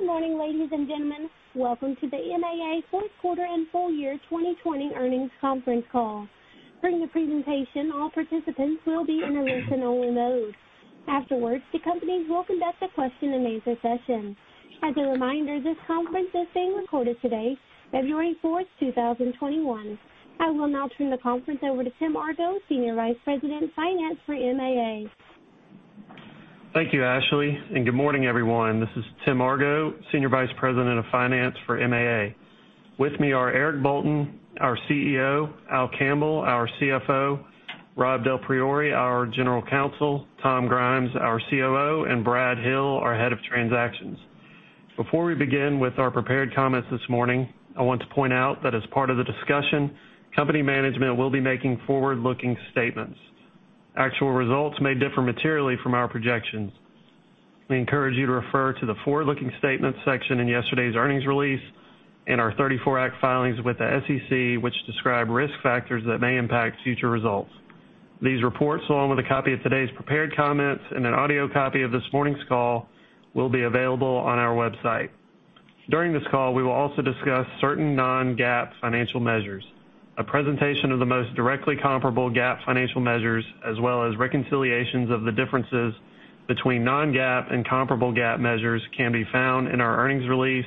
Good morning, ladies and gentlemen. Welcome to the MAA Q4 and full year 2020 earnings conference call. During the presentation, all participants will be in a listen only mode. Afterwards, the companies will conduct a question and answer session. As a reminder, this conference is being recorded today, February 4th, 2021. I will now turn the conference over to Tim Argo, Senior Vice President, Finance for MAA. Thank you, Ashley. Good morning, everyone. This is Tim Argo, Senior Vice President of Finance for MAA. With me are Eric Bolton, our CEO, Al Campbell, our CFO, Rob DelPriore, our General Counsel, Tom Grimes, our COO, and Brad Hill, our Head of Transactions. Before we begin with our prepared comments this morning, I want to point out that as part of the discussion, company management will be making forward-looking statements. Actual results may differ materially from our projections. We encourage you to refer to the forward-looking statements section in yesterday's earnings release and our 34 Act filings with the SEC, which describe risk factors that may impact future results. These reports, along with a copy of today's prepared comments and an audio copy of this morning's call, will be available on our website. During this call, we will also discuss certain non-GAAP financial measures. A presentation of the most directly comparable GAAP financial measures, as well as reconciliations of the differences between non-GAAP and comparable GAAP measures can be found in our earnings release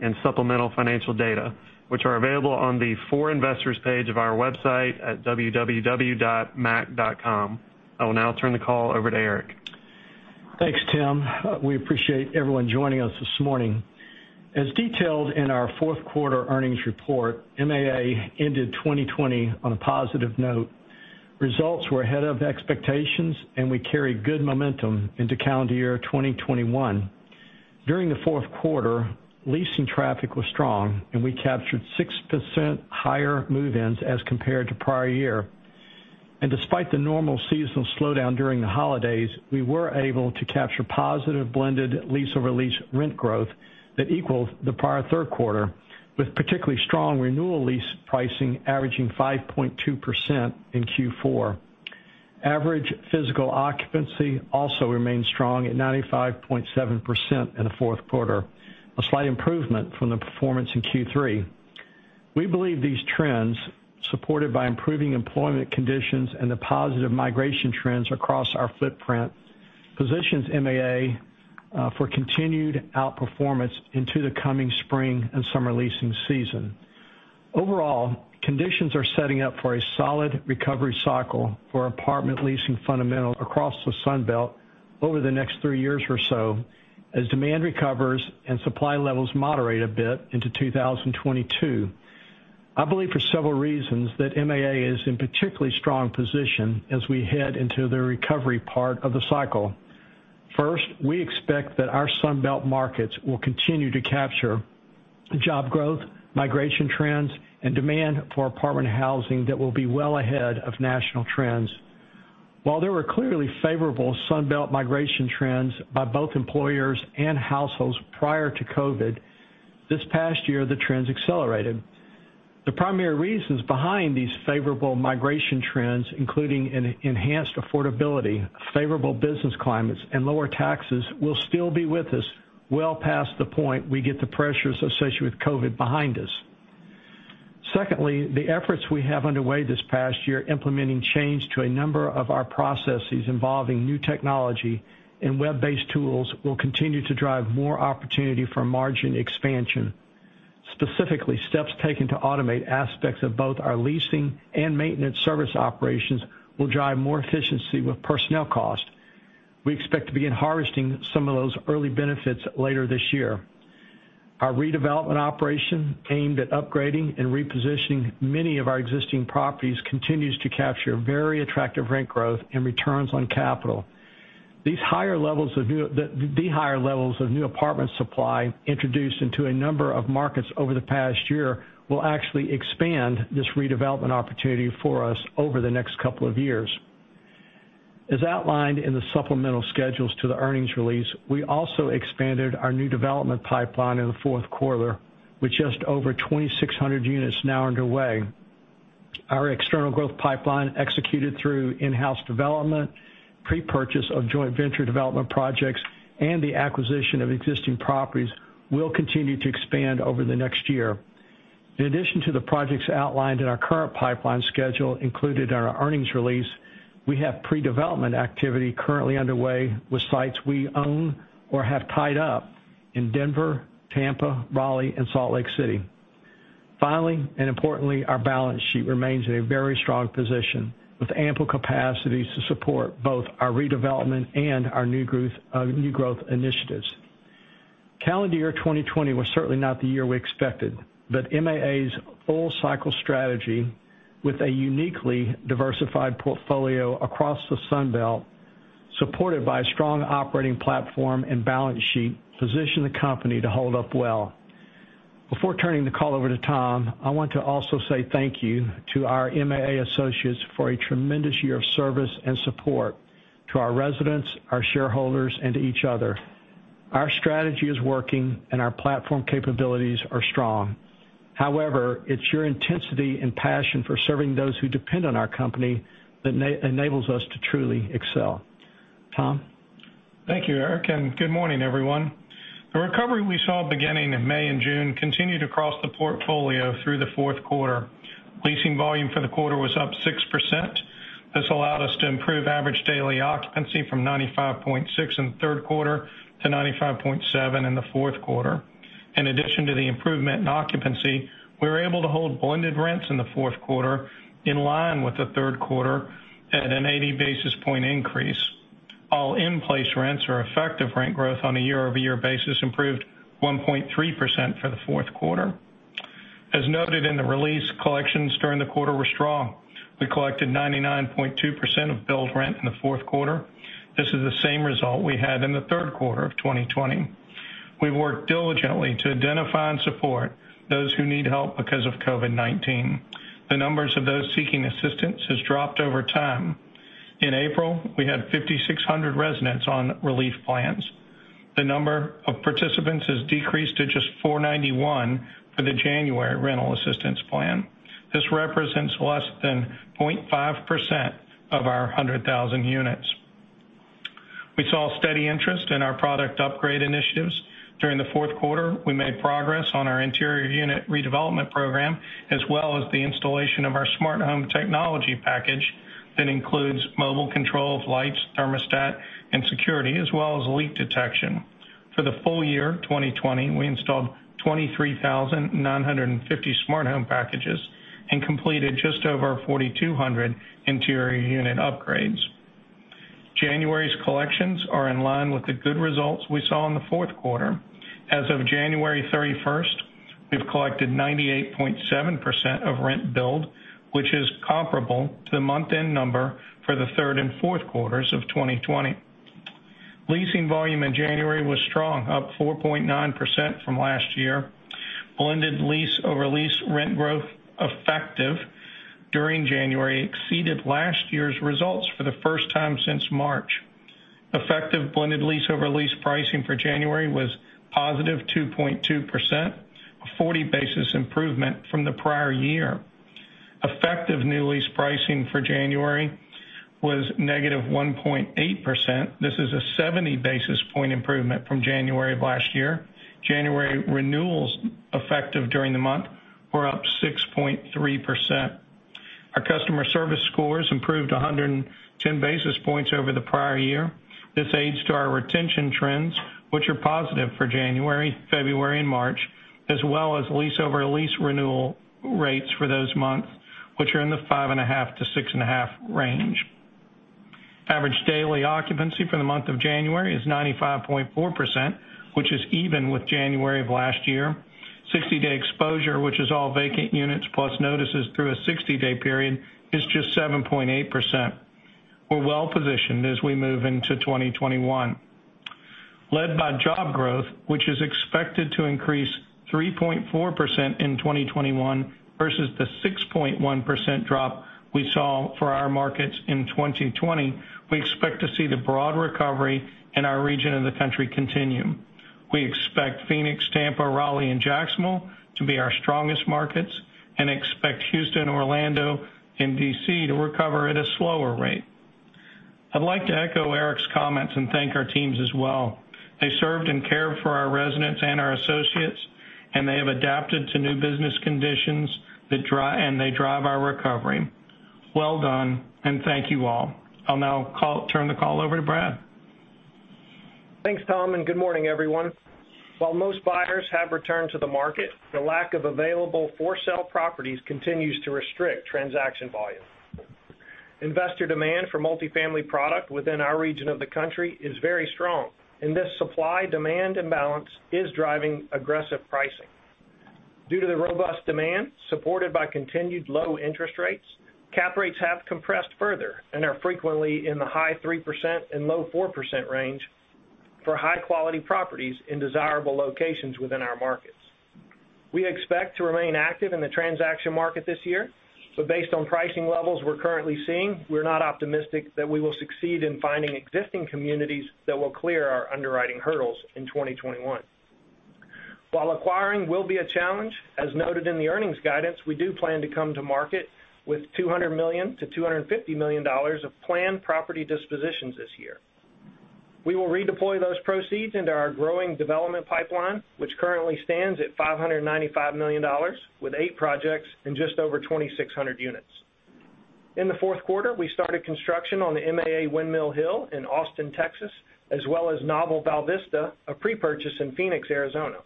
and supplemental financial data, which are available on the For Investors page of our website at www.maac.com. I will now turn the call over to Eric. Thanks, Tim. We appreciate everyone joining us this morning. As detailed in our Q4 earnings report, MAA ended 2020 on a positive note. We carry good momentum into calendar year 2021. During the Q4, leasing traffic was strong, and we captured 6% higher move-ins as compared to prior year. Despite the normal seasonal slowdown during the holidays, we were able to capture positive blended lease-over-lease rent growth that equals the prior Q3, with particularly strong renewal lease pricing averaging 5.2% in Q4. Average physical occupancy also remained strong at 95.7% in the Q4, a slight improvement from the performance in Q3. We believe these trends, supported by improving employment conditions and the positive migration trends across our footprint, positions MAA for continued outperformance into the coming spring and summer leasing season. Overall, conditions are setting up for a solid recovery cycle for apartment leasing fundamentals across the Sun Belt over the next three years or so as demand recovers and supply levels moderate a bit into 2022. I believe for several reasons that MAA is in particularly strong position as we head into the recovery part of the cycle. First, we expect that our Sun Belt markets will continue to capture job growth, migration trends, and demand for apartment housing that will be well ahead of national trends. While there were clearly favorable Sun Belt migration trends by both employers and households prior to COVID, this past year, the trends accelerated. The primary reasons behind these favorable migration trends, including an enhanced affordability, favorable business climates, and lower taxes, will still be with us well past the point we get the pressures associated with COVID behind us. Secondly, the efforts we have underway this past year implementing change to a number of our processes involving new technology and web-based tools will continue to drive more opportunity for margin expansion. Specifically, steps taken to automate aspects of both our leasing and maintenance service operations will drive more efficiency with personnel costs. We expect to begin harvesting some of those early benefits later this year. Our redevelopment operation aimed at upgrading and repositioning many of our existing properties continues to capture very attractive rent growth and returns on capital. The higher levels of new apartment supply introduced into a number of markets over the past year will actually expand this redevelopment opportunity for us over the next couple of years. As outlined in the supplemental schedules to the earnings release, we also expanded our new development pipeline in the Q4 with just over 2,600 units now underway. Our external growth pipeline executed through in-house development, pre-purchase of joint venture development projects, and the acquisition of existing properties will continue to expand over the next year. In addition to the projects outlined in our current pipeline schedule included in our earnings release, we have pre-development activity currently underway with sites we own or have tied up in Denver, Tampa, Raleigh, and Salt Lake City. Finally, and importantly, our balance sheet remains in a very strong position, with ample capacities to support both our redevelopment and our new growth initiatives. Calendar year 2020 was certainly not the year we expected, but MAA's full cycle strategy with a uniquely diversified portfolio across the Sun Belt, supported by a strong operating platform and balance sheet, positioned the company to hold up well. Before turning the call over to Tom, I want to also say thank you to our MAA associates for a tremendous year of service and support to our residents, our shareholders, and to each other. Our strategy is working, and our platform capabilities are strong. It's your intensity and passion for serving those who depend on our company that enables us to truly excel. Tom? Thank you, Eric. Good morning, everyone. The recovery we saw beginning in May and June continued across the portfolio through the Q4. Leasing volume for the quarter was up 6%. This allowed us to improve average daily occupancy from 95.6 in the Q3 to 95.7 in the Q4. In addition to the improvement in occupancy, we were able to hold blended rents in the Q4 in line with the Q3 at an 80 basis point increase. All in-place rents or effective rent growth on a year-over-year basis improved 1.3% for the Q4. As noted in the release, collections during the quarter were strong. We collected 99.2% of billed rent in the Q4. This is the same result we had in the Q3 of 2020. We've worked diligently to identify and support those who need help because of COVID-19. The numbers of those seeking assistance has dropped over time. In April, we had 5,600 residents on relief plans. The number of participants has decreased to just 491 for the January rental assistance plan. This represents less than 0.5% of our 100,000 units. We saw steady interest in our product upgrade initiatives. During the Q4, we made progress on our interior unit redevelopment program, as well as the installation of our smart home technology package that includes mobile control of lights, thermostat, and security, as well as leak detection. For the full year 2020, we installed 23,950 smart home packages and completed just over 4,200 interior unit upgrades. January's collections are in line with the good results we saw in the Q4. As of January 31st, we've collected 98.7% of rent billed, which is comparable to the month-end number for the third and Q4s of 2020. Leasing volume in January was strong, up 4.9% from last year. Blended lease-over-lease rent growth effective during January exceeded last year's results for the first time since March. Effective blended lease-over-lease pricing for January was positive 2.2%, a 40 basis improvement from the prior year. Effective new lease pricing for January was -1.8%. This is a 70 basis point improvement from January of last year. January renewals effective during the month were up 6.3%. Our customer service scores improved 110 basis points over the prior year. This aids to our retention trends, which are positive for January, February, and March, as well as lease-over-lease renewal rates for those months, which are in the 5.5-6.5 range. Average daily occupancy for the month of January is 95.4%, which is even with January of last year. 60-day exposure, which is all vacant units plus notices through a 60-day period, is just 7.8%. We're well-positioned as we move into 2021. Led by job growth, which is expected to increase 3.4% in 2021 versus the 6.1% drop we saw for our markets in 2020, we expect to see the broad recovery in our region of the country continue. We expect Phoenix, Tampa, Raleigh, and Jacksonville to be our strongest markets and expect Houston, Orlando, and D.C. to recover at a slower rate. I'd like to echo Eric's comments and thank our teams as well. They served and cared for our residents and our associates, and they have adapted to new business conditions, and they drive our recovery. Well done, and thank you all. I'll now turn the call over to Brad. Thanks, Tom. Good morning, everyone. While most buyers have returned to the market, the lack of available for-sale properties continues to restrict transaction volume. Investor demand for multifamily product within our region of the country is very strong. This supply-demand imbalance is driving aggressive pricing. Due to the robust demand supported by continued low interest rates, cap rates have compressed further and are frequently in the high 3% and low 4% range for high-quality properties in desirable locations within our markets. We expect to remain active in the transaction market this year. Based on pricing levels we're currently seeing, we're not optimistic that we will succeed in finding existing communities that will clear our underwriting hurdles in 2021. While acquiring will be a challenge, as noted in the earnings guidance, we do plan to come to market with $200 million-$250 million of planned property dispositions this year. We will redeploy those proceeds into our growing development pipeline, which currently stands at $595 million with eight projects and just over 2,600 units. In the Q4, we started construction on the MAA Windmill Hill in Austin, Texas, as well as NOVEL Val Vista, a pre-purchase in Phoenix, Arizona.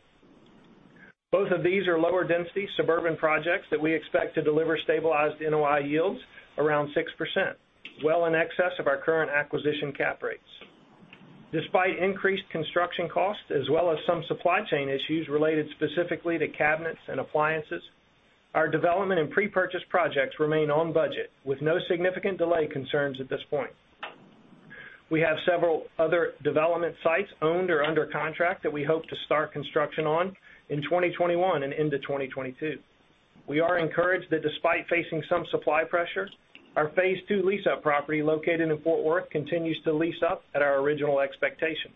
Both of these are lower density suburban projects that we expect to deliver stabilized NOI yields around 6%, well in excess of our current acquisition cap rates. Despite increased construction costs, as well as some supply chain issues related specifically to cabinets and appliances, our development and pre-purchase projects remain on budget with no significant delay concerns at this point. We have several other development sites owned or under contract that we hope to start construction on in 2021 and into 2022. We are encouraged that despite facing some supply pressure, our phase II lease-up property located in Fort Worth continues to lease up at our original expectations,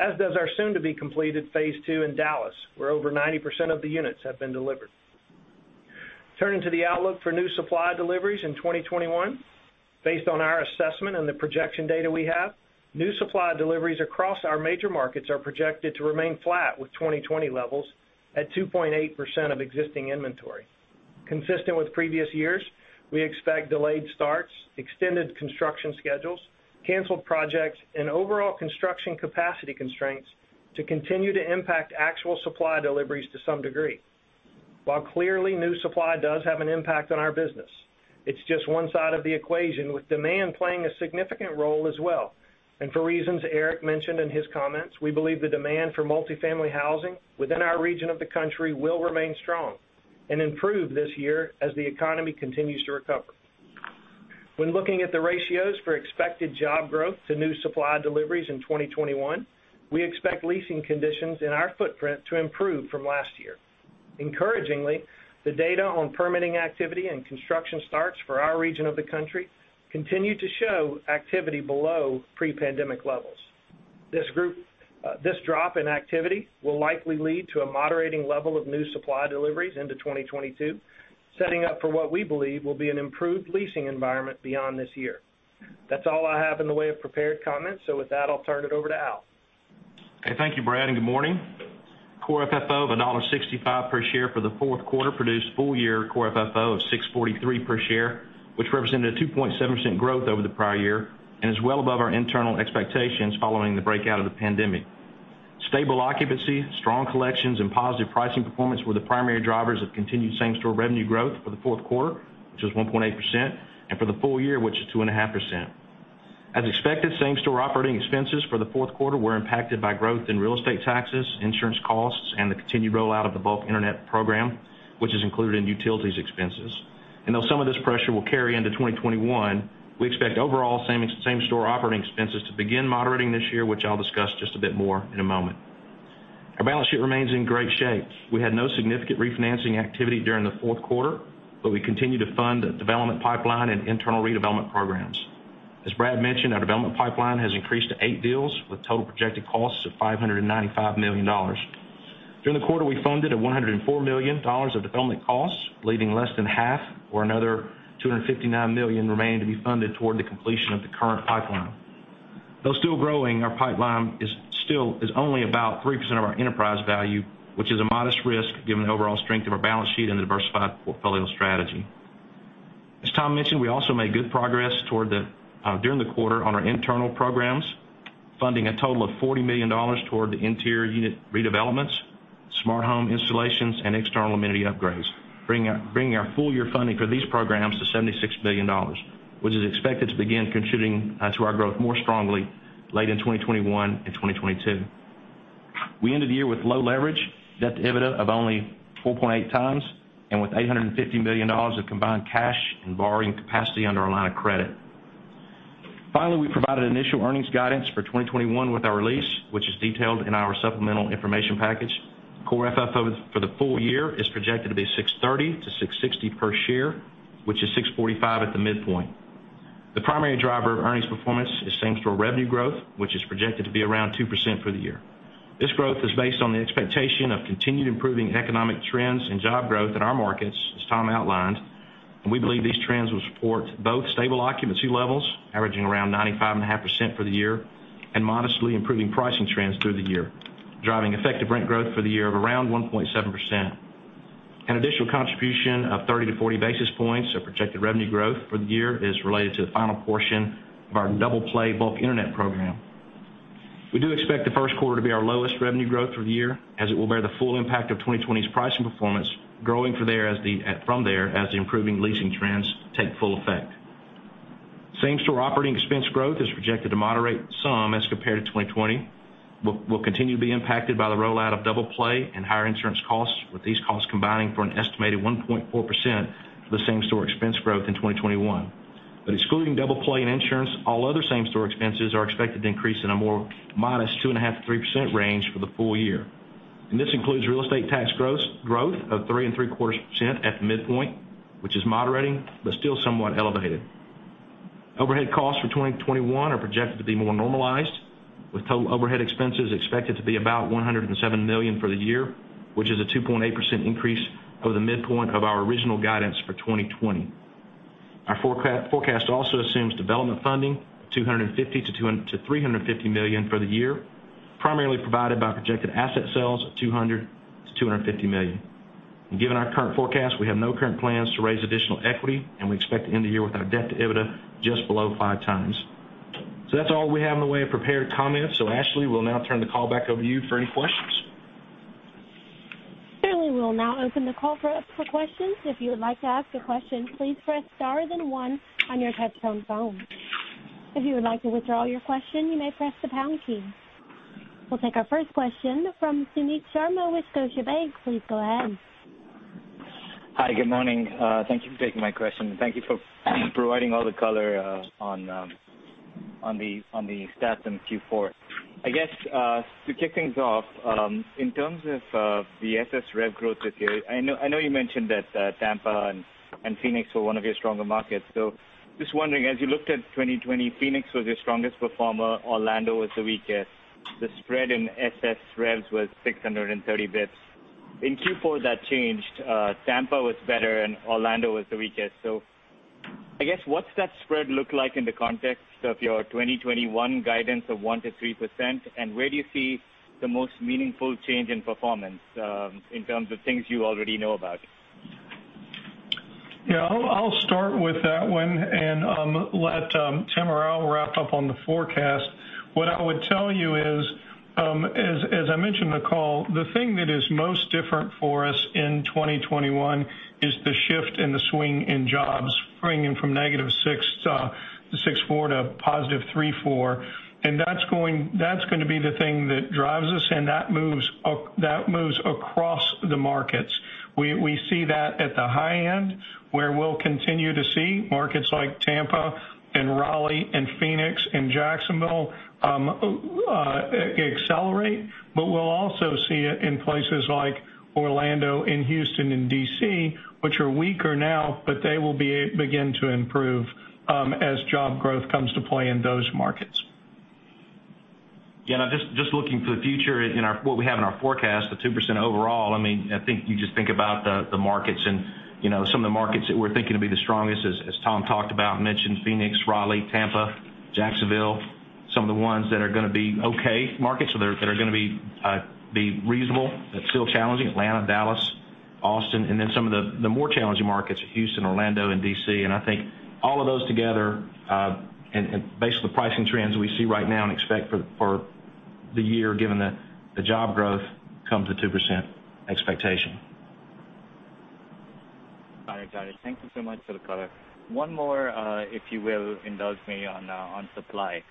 as does our soon-to-be-completed phase II in Dallas, where over 90% of the units have been delivered. Turning to the outlook for new supply deliveries in 2021, based on our assessment and the projection data we have, new supply deliveries across our major markets are projected to remain flat with 2020 levels at 2.8% of existing inventory. Consistent with previous years, we expect delayed starts, extended construction schedules, canceled projects, and overall construction capacity constraints to continue to impact actual supply deliveries to some degree. While clearly new supply does have an impact on our business, it's just one side of the equation, with demand playing a significant role as well. For reasons Eric mentioned in his comments, we believe the demand for multi-family housing within our region of the country will remain strong and improve this year as the economy continues to recover. When looking at the ratios for expected job growth to new supply deliveries in 2021, we expect leasing conditions in our footprint to improve from last year. Encouragingly, the data on permitting activity and construction starts for our region of the country continue to show activity below pre-pandemic levels. This drop in activity will likely lead to a moderating level of new supply deliveries into 2022, setting up for what we believe will be an improved leasing environment beyond this year. That's all I have in the way of prepared comments. With that, I'll turn it over to Al. Okay. Thank you, Brad, good morning. core FFO of $1.65 per share for the Q4 produced full-year core FFO of $6.43 per share, which represented a 2.7% growth over the prior year and is well above our internal expectations following the breakout of the pandemic. Stable occupancy, strong collections, and positive pricing performance were the primary drivers of continued same-store revenue growth for the Q4, which was 1.8%, and for the full year, which is 2.5%. As expected, same-store operating expenses for the Q4 were impacted by growth in real estate taxes, insurance costs, and the continued rollout of the bulk internet program, which is included in utilities expenses. Though some of this pressure will carry into 2021, we expect overall same-store operating expenses to begin moderating this year, which I'll discuss just a bit more in a moment. Our balance sheet remains in great shape. We had no significant refinancing activity during the Q4, but we continue to fund the development pipeline and internal redevelopment programs. As Brad mentioned, our development pipeline has increased to eight deals, with total projected costs of $595 million. During the quarter, we funded $104 million of development costs, leaving less than half, or another $259 million remaining to be funded toward the completion of the current pipeline. Though still growing, our pipeline is only about 3% of our enterprise value, which is a modest risk given the overall strength of our balance sheet and the diversified portfolio strategy. As Tom mentioned, we also made good progress during the quarter on our internal programs, funding a total of $40 million toward the interior unit redevelopments, smart home installations, and external amenity upgrades, bringing our full-year funding for these programs to $76 million, which is expected to begin contributing to our growth more strongly late in 2021 and 2022. We ended the year with low leverage, debt to EBITDA of only 4.8 times, and with $850 million of combined cash and borrowing capacity under our line of credit. We provided initial earnings guidance for 2021 with our release, which is detailed in our supplemental information package. Core FFO for the full year is projected to be $6.30-$6.60 per share, which is $6.45 at the midpoint. The primary driver of earnings performance is same-store revenue growth, which is projected to be around 2% for the year. This growth is based on the expectation of continued improving economic trends and job growth in our markets, as Tom outlined. We believe these trends will support both stable occupancy levels, averaging around 95.5% for the year, and modestly improving pricing trends through the year, driving effective rent growth for the year of around 1.7%. An additional contribution of 30-40 basis points of projected revenue growth for the year is related to the final portion of our Double Play bulk Internet program. We do expect the Q1 to be our lowest revenue growth for the year, as it will bear the full impact of 2020's pricing performance, growing from there as the improving leasing trends take full effect. Same-store operating expense growth is projected to moderate some as compared to 2020, but will continue to be impacted by the rollout of Double Play and higher insurance costs, with these costs combining for an estimated 1.4% for the same-store expense growth in 2021. Excluding Double Play and insurance, all other same-store expenses are expected to increase in a more modest 2.5%-3% range for the full year. This includes real estate tax growth of 3.75% at the midpoint, which is moderating but still somewhat elevated. Overhead costs for 2021 are projected to be more normalized, with total overhead expenses expected to be about $107 million for the year, which is a 2.8% increase over the midpoint of our original guidance for 2020. Our forecast also assumes development funding $250 million-$350 million for the year, primarily provided by projected asset sales of $200 million-$250 million. Given our current forecast, we have no current plans to raise additional equity, and we expect to end the year with our debt to EBITDA just below five times. That's all we have in the way of prepared comments. Ashley, we'll now turn the call back over to you for any questions. Certainly. We will now open the call for questions. If you would like to ask a question, please press star then one on your touchtone phone. If you would like to withdraw your question, you may press the pound key. We will take our first question from Sumit Sharma with Scotiabank. Please go ahead. Hi, good morning. Thank you for taking my question. Thank you for providing all the color on the stats in Q4. I guess, to kick things off, in terms of the SS rev growth this year, I know you mentioned that Tampa and Phoenix were one of your stronger markets. Just wondering, as you looked at 2020, Phoenix was your strongest performer, Orlando was the weakest. The spread in SS revs was 630 basis points. In Q4, that changed. Tampa was better and Orlando the weakest. I guess, what's that spread look like in the context of your 2021 guidance of 1%-3%? Where do you see the most meaningful change in performance, in terms of things you already know about? Yeah, I'll start with that one, and let Tim or Al wrap up on the forecast. What I would tell you is, as I mentioned in the call, the thing that is most different for us in 2021 is the shift in the swing in jobs, swinging from -6.4% -+3.4%. That's going to be the thing that drives us, and that moves across the markets. We see that at the high end, where we'll continue to see markets like Tampa and Raleigh and Phoenix and Jacksonville accelerate. We'll also see it in places like Orlando, in Houston, in D.C., which are weaker now, but they will begin to improve as job growth comes to play in those markets. Yeah, just looking to the future in what we have in our forecast, the 2% overall, you just think about the markets. Some of the markets that we're thinking will be the strongest, as Tom talked about, mentioned Phoenix, Raleigh, Tampa, Jacksonville. Some of the ones that are going to be okay markets, so that are going to be reasonable, but still challenging, Atlanta, Dallas, Austin. Some of the more challenging markets are Houston, Orlando, and D.C. I think all of those together, and based on the pricing trends we see right now and expect for the year, given the job growth, come to 2% expectation. Got it. Thank you so much for the color. One more, if you will indulge me on supply.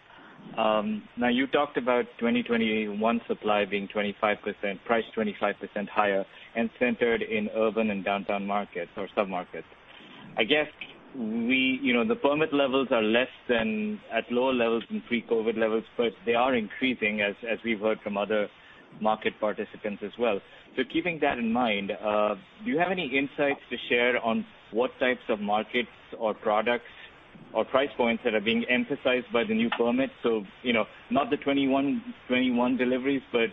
Now you talked about 2021 supply being priced 25% higher and centered in urban and downtown markets or sub-markets. I guess, the permit levels are at lower levels than pre-COVID levels, but they are increasing as we've heard from other market participants as well. Keeping that in mind, do you have any insights to share on what types of markets or products or price points that are being emphasized by the new permits? Not the '21 deliveries, but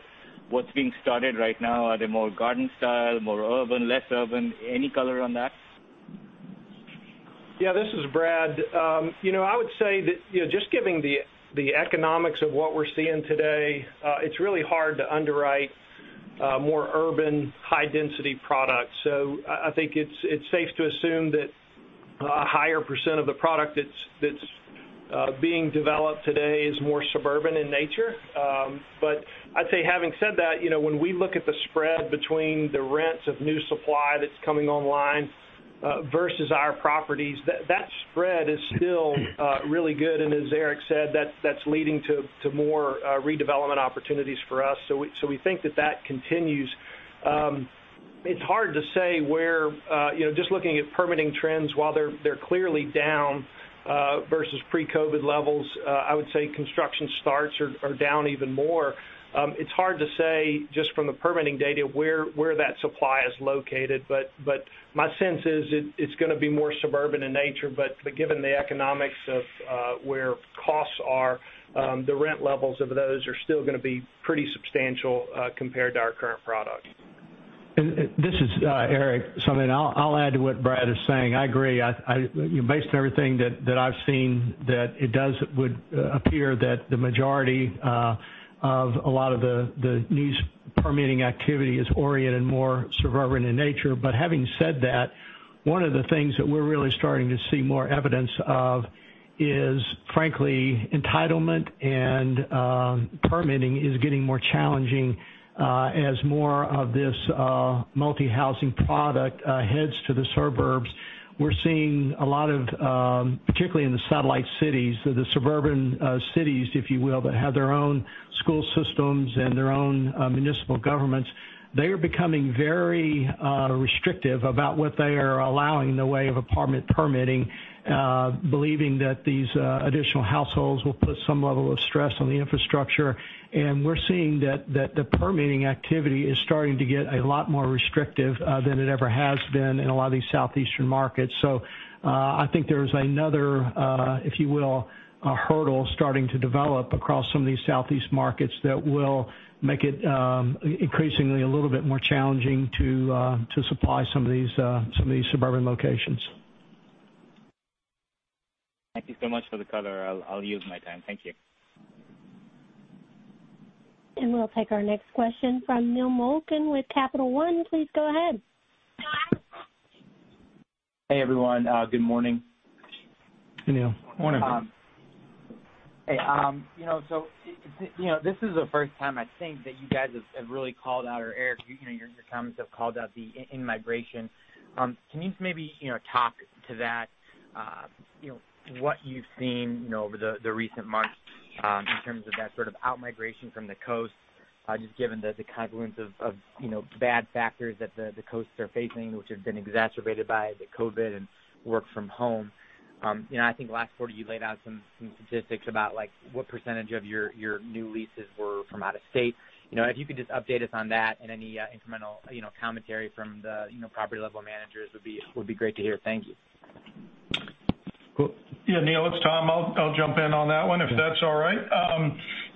what's being started right now. Are they more garden style, more urban, less urban? Any color on that? Yeah, this is Brad. I would say that, just given the economics of what we're seeing today, it's really hard to underwrite more urban, high-density products. I think it's safe to assume that a higher % of the product that's being developed today is more suburban in nature. I'd say having said that, when we look at the spread between the rents of new supply that's coming online versus our properties, that spread is still really good. As Eric said, that's leading to more redevelopment opportunities for us. We think that that continues. It's hard to say where, just looking at permitting trends, while they're clearly down versus pre-COVID-19 levels, I would say construction starts are down even more. It's hard to say just from the permitting data where that supply is located, but my sense is it's going to be more suburban in nature. Given the economics of where costs are, the rent levels of those are still going to be pretty substantial compared to our current product. This is Eric. Something I'll add to what Brad is saying. I agree. Based on everything that I've seen, that it does would appear that the majority of a lot of the new permitting activity is oriented more suburban in nature. Having said that, one of the things that we're really starting to see more evidence of is, frankly, entitlement and permitting is getting more challenging as more of this multi-housing product heads to the suburbs. We're seeing a lot of, particularly in the satellite cities or the suburban cities, if you will, that have their own school systems and their own municipal governments. They are becoming very restrictive about what they are allowing in the way of apartment permitting, believing that these additional households will put some level of stress on the infrastructure. We're seeing that the permitting activity is starting to get a lot more restrictive than it ever has been in a lot of these southeastern markets. I think there is another, if you will, hurdle starting to develop across some of these southeast markets that will make it increasingly a little bit more challenging to supply some of these suburban locations. Thank you so much for the color. I'll yield my time. Thank you. We'll take our next question from Neil Malkin with Capital One. Please go ahead. Hey, everyone. Good morning. Hey, Neil. Morning. Hey. This is the first time I think that you guys have really called out, or Eric, your comments have called out the in-migration. Can you maybe talk to that, what you've seen over the recent months? In terms of that sort of out-migration from the coast, just given the confluence of bad factors that the coasts are facing, which have been exacerbated by the COVID and work from home. I think last quarter you laid out some statistics about what percentage of your new leases were from out of state. If you could just update us on that and any incremental commentary from the property level managers would be great to hear. Thank you. Yeah, Neil, it's Tom. I'll jump in on that one if that's all right.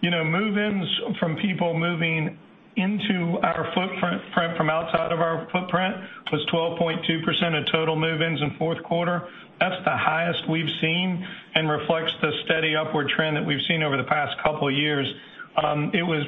Move-ins from people moving into our footprint from outside of our footprint was 12.2% of total move-ins in Q4. That's the highest we've seen and reflects the steady upward trend that we've seen over the past couple of years.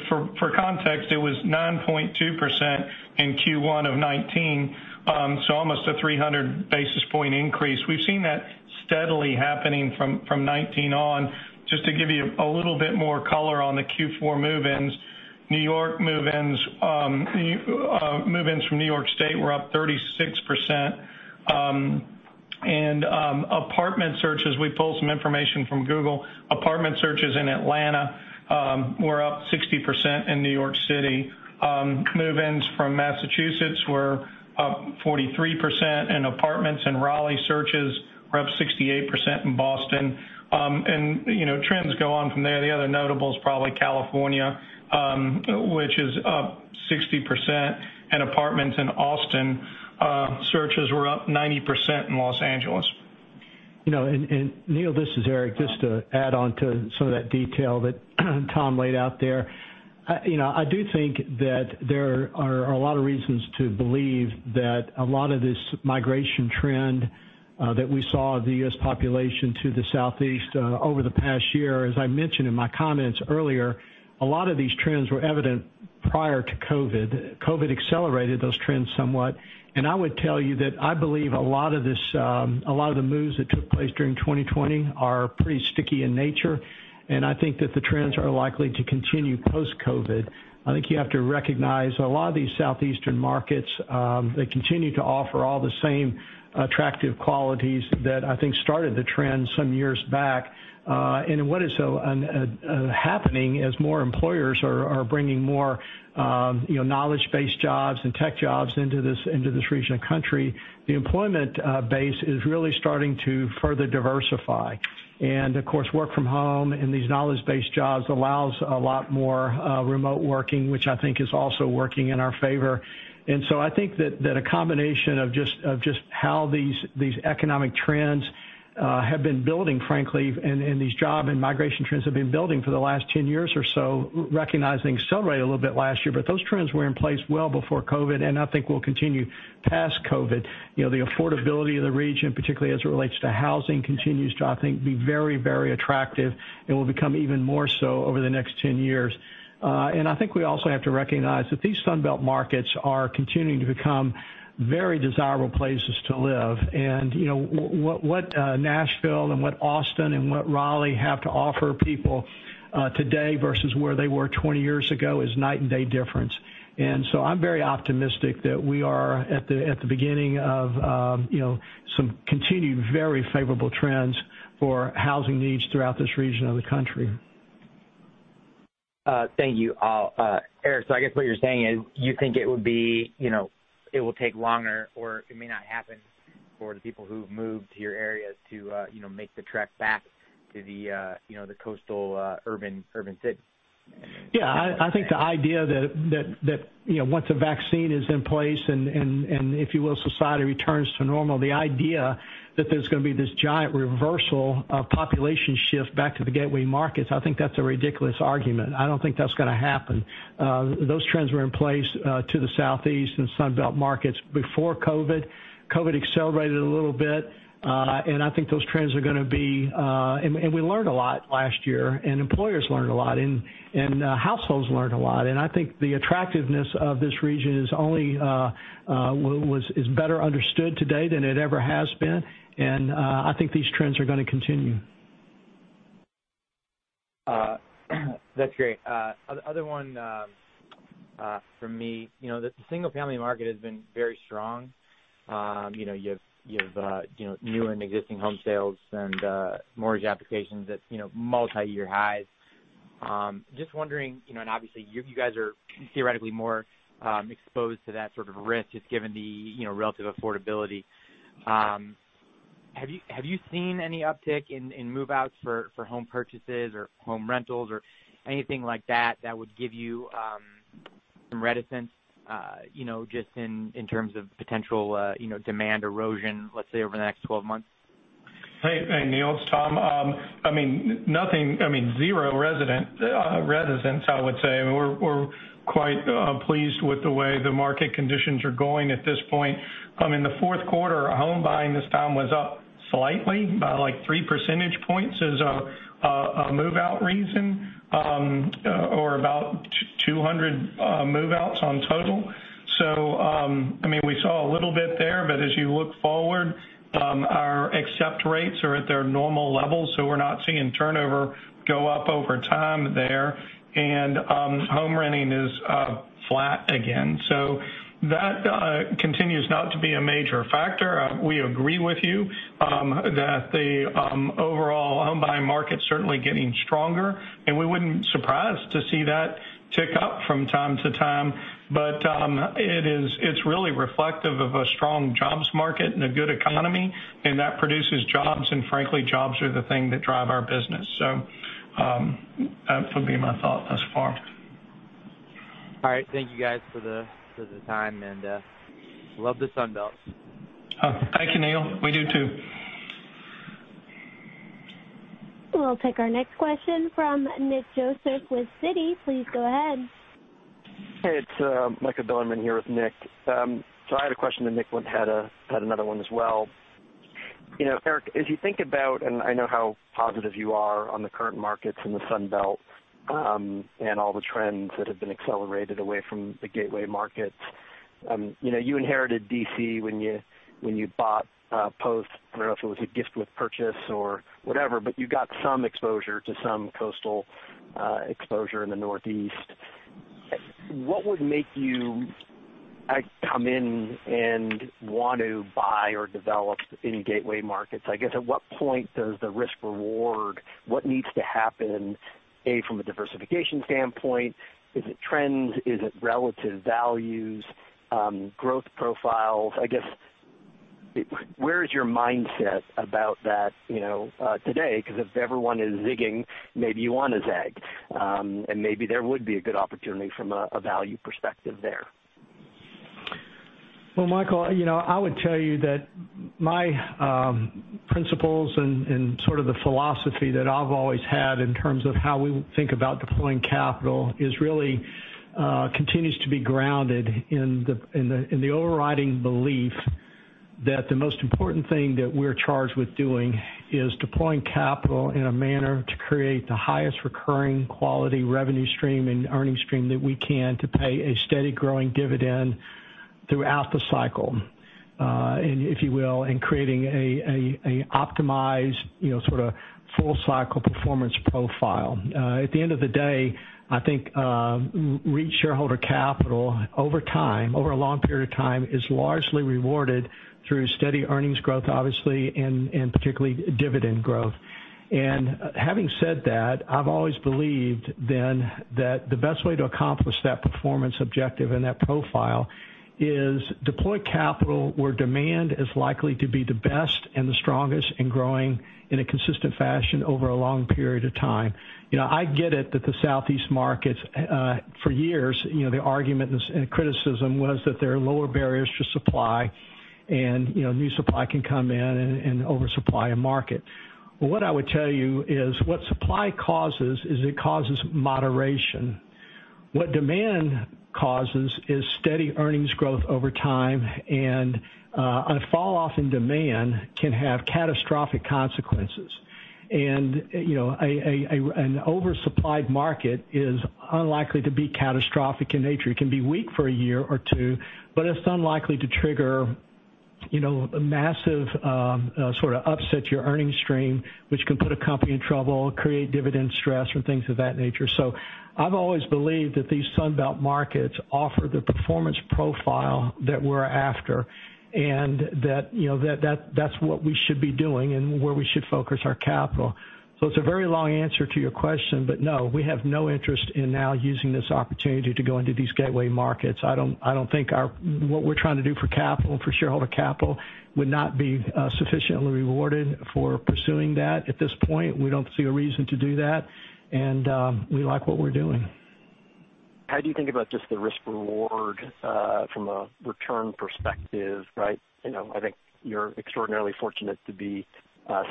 For context, it was 9.2% in Q1 of 2019, almost a 300 basis point increase. We've seen that steadily happening from 2019 on. Just to give you a little bit more color on the Q4 move-ins, move-ins from New York State were up 36%. Apartment searches, we pulled some information from Google. Apartment searches in Atlanta were up 60% in New York City. Move-ins from Massachusetts were up 43%, apartments in Raleigh searches were up 68% in Boston. Trends go on from there. The other notable is probably California, which is up 60%, and apartments in Austin, searches were up 90% in Los Angeles. Neil, this is Eric. Just to add on to some of that detail that Tom laid out there. I do think that there are a lot of reasons to believe that a lot of this migration trend that we saw of the U.S. population to the Southeast over the past year, as I mentioned in my comments earlier, a lot of these trends were evident prior to COVID. COVID accelerated those trends somewhat. I would tell you that I believe a lot of the moves that took place during 2020 are pretty sticky in nature, and I think that the trends are likely to continue post-COVID. I think you have to recognize a lot of these Southeastern markets, they continue to offer all the same attractive qualities that I think started the trend some years back. What is happening as more employers are bringing more knowledge-based jobs and tech jobs into this region of the country, the employment base is really starting to further diversify. Of course, work from home and these knowledge-based jobs allows a lot more remote working, which I think is also working in our favor. I think that a combination of just how these economic trends have been building, frankly, and these job and migration trends have been building for the last 10 years or so, recognizing accelerated a little bit last year. Those trends were in place well before COVID-19, and I think will continue past COVID-19. The affordability of the region, particularly as it relates to housing, continues to, I think, be very attractive and will become even more so over the next 10 years. I think we also have to recognize that these Sun Belt markets are continuing to become very desirable places to live. What Nashville and what Austin and what Raleigh have to offer people today versus where they were 20 years ago is night and day difference. I'm very optimistic that we are at the beginning of some continued very favorable trends for housing needs throughout this region of the country. Thank you. Eric, I guess what you're saying is you think it will take longer, or it may not happen for the people who've moved to your areas to make the trek back to the coastal urban cities? Yeah. I think the idea that once a vaccine is in place and if you will, society returns to normal, the idea that there's going to be this giant reversal of population shift back to the gateway markets, I think that's a ridiculous argument. I don't think that's going to happen. Those trends were in place to the Southeast and Sun Belt markets before COVID. COVID accelerated it a little bit. We learned a lot last year, and employers learned a lot, and households learned a lot. I think the attractiveness of this region is better understood today than it ever has been. I think these trends are going to continue. That's great. Other one from me. The single-family market has been very strong. You have new and existing home sales and mortgage applications at multiyear highs. Just wondering, and obviously you guys are theoretically more exposed to that sort of risk, just given the relative affordability. Have you seen any uptick in move-outs for home purchases or home rentals or anything like that would give you some reticence just in terms of potential demand erosion, let's say, over the next 12 months? Hey, Neil, it's Tom. Nothing, zero reticence, I would say. We're quite pleased with the way the market conditions are going at this point. In the Q4, home buying this time was up slightly by like three percentage points as a move-out reason, or about 200 move-outs on total. We saw a little bit there. As you look forward, our accept rates are at their normal levels, so we're not seeing turnover go up over time there, and home renting is flat again. That continues not to be a major factor. We agree with you that the overall home buying market's certainly getting stronger, and we wouldn't surprise to see that tick up from time to time. It's really reflective of a strong jobs market and a good economy, and that produces jobs, and frankly, jobs are the thing that drive our business. That would be my thought thus far. All right. Thank you guys for the time. Love the Sun Belt. Thank you, Neil. We do too. We'll take our next question from Nick Joseph with Citi. Please go ahead. Hey, it's Michael Bilerman here with Nick. I had a question that Nick had another one as well. Eric, as you think about, and I know how positive you are on the current markets in the Sun Belt, and all the trends that have been accelerated away from the gateway markets. You inherited D.C. when you bought Post. I don't know if it was a gift with purchase or whatever, but you got some exposure to some coastal exposure in the Northeast. What would make you come in and want to buy or develop any gateway markets? I guess, at what point does the risk-reward, what needs to happen, A, from a diversification standpoint? Is it trends? Is it relative values, growth profiles? I guess, where is your mindset about that today? If everyone is zigging, maybe you want to zag, and maybe there would be a good opportunity from a value perspective there. Well, Michael, I would tell you that my principles and sort of the philosophy that I've always had in terms of how we think about deploying capital really continues to be grounded in the overriding belief that the most important thing that we're charged with doing is deploying capital in a manner to create the highest recurring quality revenue stream and earning stream that we can to pay a steady growing dividend throughout the cycle, if you will, and creating an optimized sort of full-cycle performance profile. At the end of the day, I think REIT shareholder capital over a long period of time is largely rewarded through steady earnings growth, obviously, and particularly dividend growth. Having said that, I've always believed then that the best way to accomplish that performance objective and that profile is deploy capital where demand is likely to be the best and the strongest and growing in a consistent fashion over a long period of time. I get it that the Southeast markets, for years, the argument and criticism was that there are lower barriers to supply, and new supply can come in and oversupply a market. What I would tell you is what supply causes is it causes moderation. What demand causes is steady earnings growth over time, and a falloff in demand can have catastrophic consequences. An oversupplied market is unlikely to be catastrophic in nature. It can be weak for a year or two, but it's unlikely to trigger a massive sort of upset to your earnings stream, which can put a company in trouble, create dividend stress, or things of that nature. I've always believed that these Sun Belt markets offer the performance profile that we're after, and that's what we should be doing and where we should focus our capital. It's a very long answer to your question, but no, we have no interest in now using this opportunity to go into these gateway markets. I don't think what we're trying to do for shareholder capital would not be sufficiently rewarded for pursuing that. At this point, we don't see a reason to do that, and we like what we're doing. How do you think about just the risk-reward from a return perspective, right? I think you're extraordinarily fortunate to be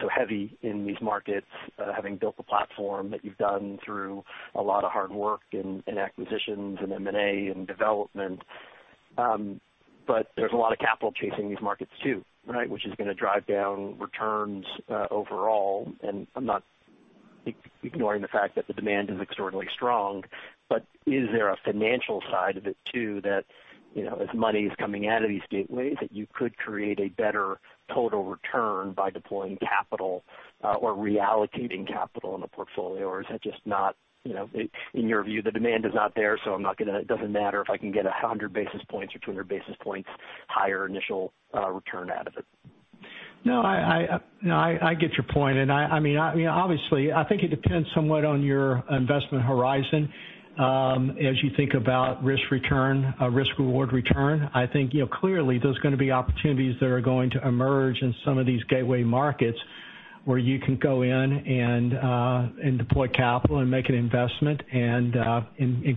so heavy in these markets, having built the platform that you've done through a lot of hard work in acquisitions and M&A and development. There's a lot of capital chasing these markets too, which is going to drive down returns overall. I'm not ignoring the fact that the demand is extraordinarily strong. Is there a financial side of it too, that as money's coming out of these gateways, that you could create a better total return by deploying capital or reallocating capital in the portfolio? Is that just not, in your view, the demand is not there, so it doesn't matter if I can get 100 basis points or 200 basis points higher initial return out of it? No, I get your point, and obviously, I think it depends somewhat on your investment horizon. As you think about risk-reward return, I think clearly there's going to be opportunities that are going to emerge in some of these gateway markets where you can go in and deploy capital and make an investment and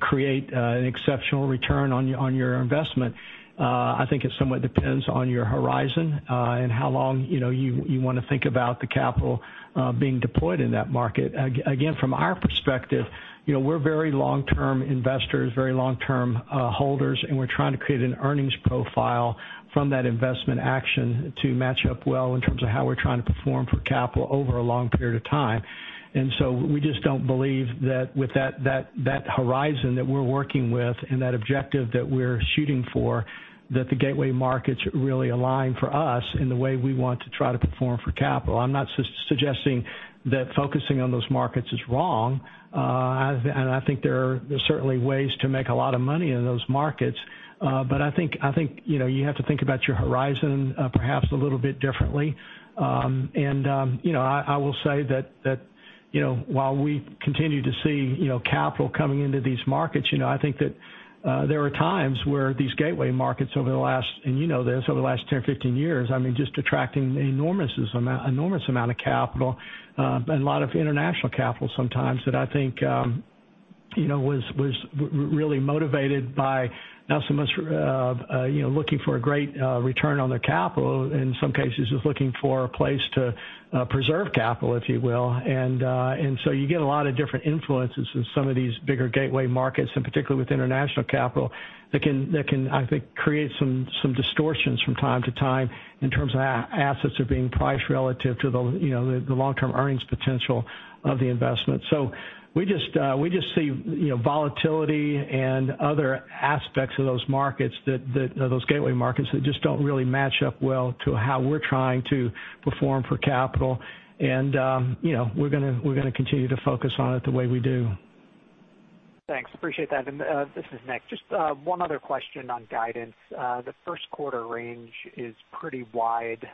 create an exceptional return on your investment. I think it somewhat depends on your horizon and how long you want to think about the capital being deployed in that market. Again, from our perspective, we're very long-term investors, very long-term holders, and we're trying to create an earnings profile from that investment action to match up well in terms of how we're trying to perform for capital over a long period of time. We just don't believe that with that horizon that we're working with and that objective that we're shooting for, that the gateway markets really align for us in the way we want to try to perform for capital. I'm not suggesting that focusing on those markets is wrong. I think there are certainly ways to make a lot of money in those markets. I think you have to think about your horizon perhaps a little bit differently. I will say that while we continue to see capital coming into these markets, I think that there are times where these gateway markets over the last, and you know this, over the last 10 or 15 years, just attracting enormous amount of capital, and a lot of international capital sometimes that I think. was really motivated by not so much looking for a great return on their capital, in some cases, just looking for a place to preserve capital, if you will. You get a lot of different influences in some of these bigger gateway markets, and particularly with international capital, that can, I think, create some distortions from time to time in terms of assets are being priced relative to the long-term earnings potential of the investment. We just see volatility and other aspects of those gateway markets that just don't really match up well to how we're trying to perform for capital. We're going to continue to focus on it the way we do. Thanks. Appreciate that. This is Nick. Just one other question on guidance. The Q1 range is pretty wide.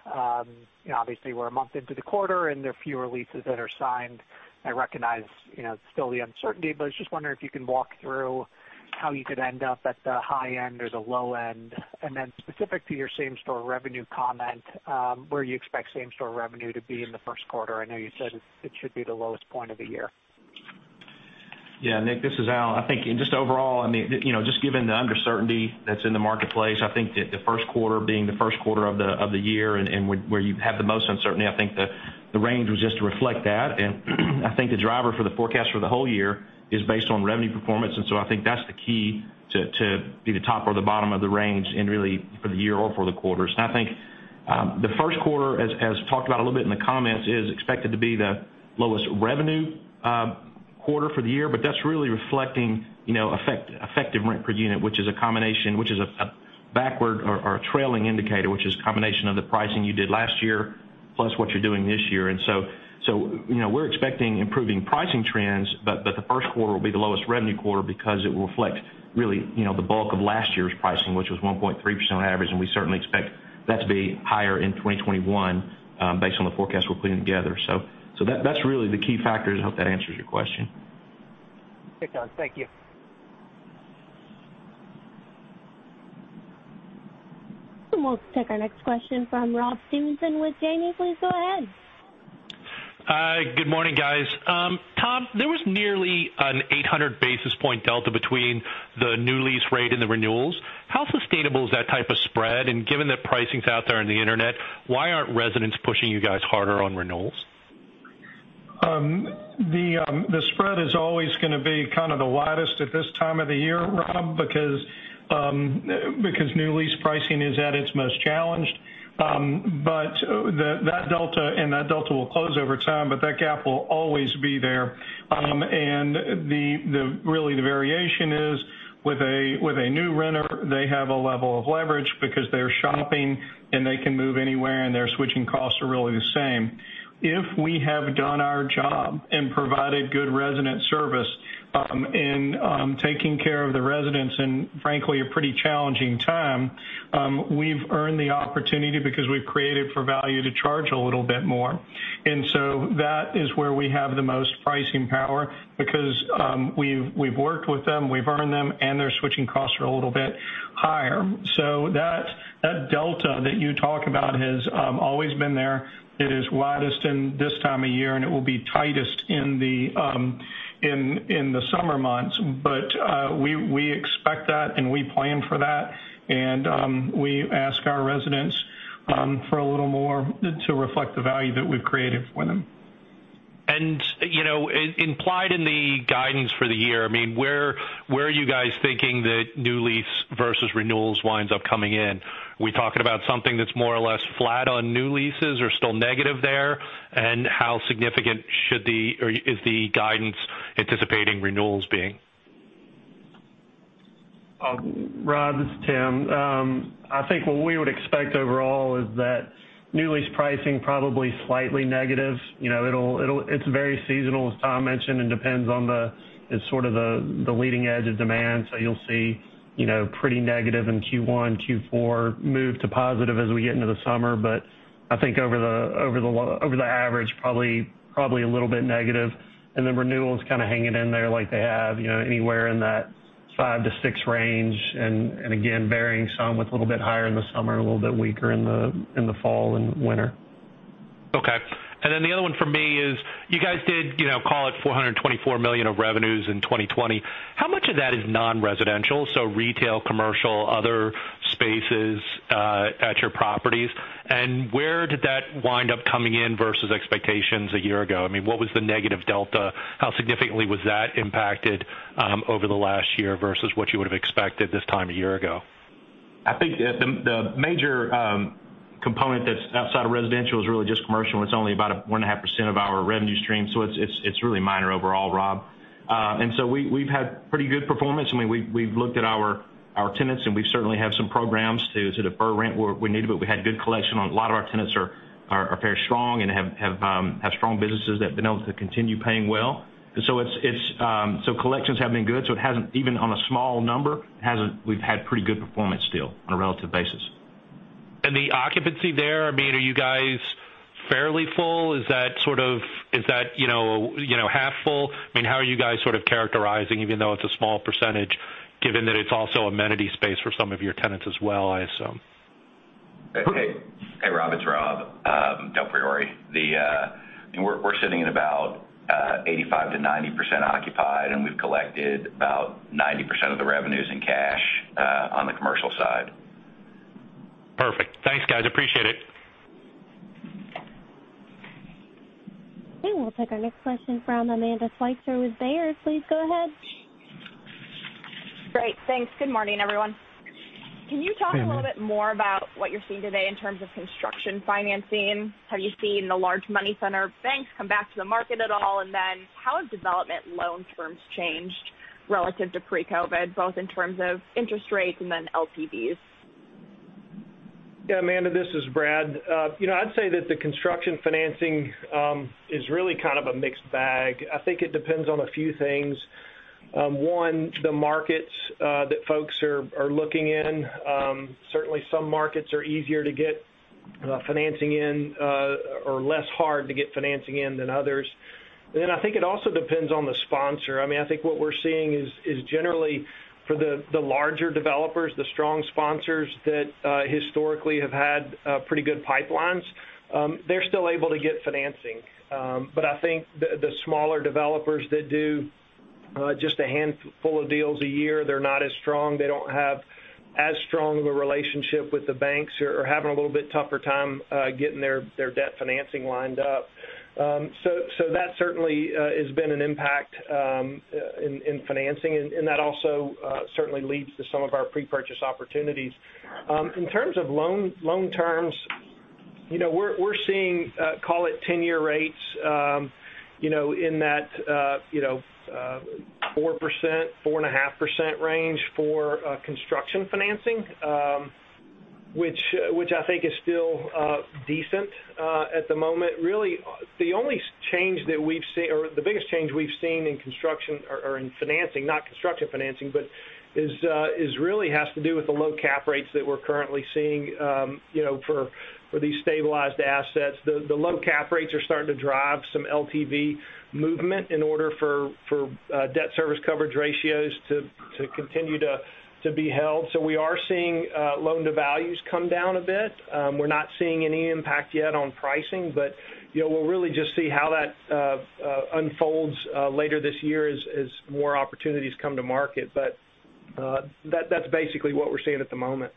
Obviously, we're a month into the quarter, and there are few leases that are signed. I recognize, still the uncertainty, but I was just wondering if you can walk through how you could end up at the high end or the low end. Then specific to your same-store revenue comment, where you expect same-store revenue to be in the Q1. I know you said it should be the lowest point of the year. Yeah. Nick, this is Al. I think just overall, just given the uncertainty that's in the marketplace, I think that the Q1 being the Q1 of the year and where you have the most uncertainty, I think the range was just to reflect that. I think the driver for the forecast for the whole year is based on revenue performance, so I think that's the key to be the top or the bottom of the range and really for the year or for the quarters. I think, the Q1, as talked about a little bit in the comments, is expected to be the lowest revenue quarter for the year, but that's really reflecting effective rent per unit, which is a backward or a trailing indicator, which is a combination of the pricing you did last year, plus what you're doing this year. We're expecting improving pricing trends, but the Q1 will be the lowest revenue quarter because it will reflect really, the bulk of last year's pricing, which was 1.3% on average, and we certainly expect that to be higher in 2021, based on the forecast we're putting together. That's really the key factors. I hope that answers your question. Thanks, Al. Thank you. We'll take our next question from Rob Stevenson with Janney. Please go ahead. Hi. Good morning, guys. Tom, there was nearly an 800 basis point delta between the new lease rate and the renewals. How sustainable is that type of spread? Given that pricing's out there on the internet, why aren't residents pushing you guys harder on renewals? The spread is always going to be kind of the widest at this time of the year, Rob, because new lease pricing is at its most challenged. That delta will close over time, but that gap will always be there. Really, the variation is with a new renter, they have a level of leverage because they're shopping and they can move anywhere, and their switching costs are really the same. If we have done our job and provided good resident service in taking care of the residents in, frankly, a pretty challenging time, we've earned the opportunity because we've created for value to charge a little bit more. That is where we have the most pricing power because, we've worked with them, we've earned them, and their switching costs are a little bit higher. That delta that you talk about has always been there. It is widest in this time of year, it will be tightest in the summer months. We expect that, and we plan for that. We ask our residents for a little more to reflect the value that we've created for them. Implied in the guidance for the year, where are you guys thinking that new lease versus renewals winds up coming in? Are we talking about something that's more or less flat on new leases or still negative there? How significant is the guidance anticipating renewals being? Rob, this is Tim. I think what we would expect overall is that new lease pricing probably slightly negative. It's very seasonal, as Tom mentioned, and depends on the leading edge of demand. You'll see pretty negative in Q1, Q4 move to positive as we get into the summer. I think over the average, probably a little bit negative. Renewals kind of hanging in there like they have, anywhere in that five to six range and, again, varying some with a little bit higher in the summer, a little bit weaker in the fall and winter. Okay. The other one for me is, you guys did call it $424 million of revenues in 2020. How much of that is non-residential, so retail, commercial, other spaces at your properties? Where did that wind up coming in versus expectations a year ago? What was the negative delta? How significantly was that impacted over the last year versus what you would've expected this time a year ago? I think the major component that's outside of residential is really just commercial, and it's only about 1.5% of our revenue stream, so it's really minor overall, Rob. We've had pretty good performance. We've looked at our tenants, and we certainly have some programs to defer rent where we need to, but we had good collection on. A lot of our tenants are very strong and have strong businesses that have been able to continue paying well. Collections have been good. Even on a small number, we've had pretty good performance still on a relative basis. The occupancy there, are you guys fairly full? Is that half full? How are you guys sort of characterizing, even though it's a small percentage, given that it's also amenity space for some of your tenants as well, I assume? Hey, Rob, it's Rob. Don't worry. We're sitting at about 85%-90% occupied, and we've collected about 90% of the revenues in cash on the commercial side. Perfect. Thanks, guys, appreciate it. We'll take our next question from Amanda Sweitzer with Baird. Please go ahead. Great. Thanks. Good morning, everyone. Good morning. Can you talk a little bit more about what you're seeing today in terms of construction financing? Have you seen the large money center banks come back to the market at all? How have development loan terms changed relative to pre-COVID, both in terms of interest rates and then LTVs? Yeah, Amanda, this is Brad. I'd say that the construction financing is really kind of a mixed bag. I think it depends on a few things. One, the markets that folks are looking in. Certainly, some markets are easier to get financing in or less hard to get financing in than others. I think it also depends on the sponsor. I think what we're seeing is generally for the larger developers, the strong sponsors that historically have had pretty good pipelines, they're still able to get financing. I think the smaller developers that do just a handful of deals a year, they're not as strong, they don't have as strong of a relationship with the banks, are having a little bit tougher time getting their debt financing lined up. That certainly has been an impact in financing, and that also certainly leads to some of our pre-purchase opportunities. In terms of loan terms, we're seeing, call it 10-year rates in that 4%-4.5% range for construction financing, which I think is still decent at the moment. Really, the biggest change we've seen in construction or in financing, not constructive financing, but is really has to do with the low cap rates that we're currently seeing for these stabilized assets. The low cap rates are starting to drive some LTV movement in order for debt service coverage ratios to continue to be held. We are seeing loan-to-values come down a bit. We're not seeing any impact yet on pricing, but we'll really just see how that unfolds later this year as more opportunities come to market. That's basically what we're seeing at the moment.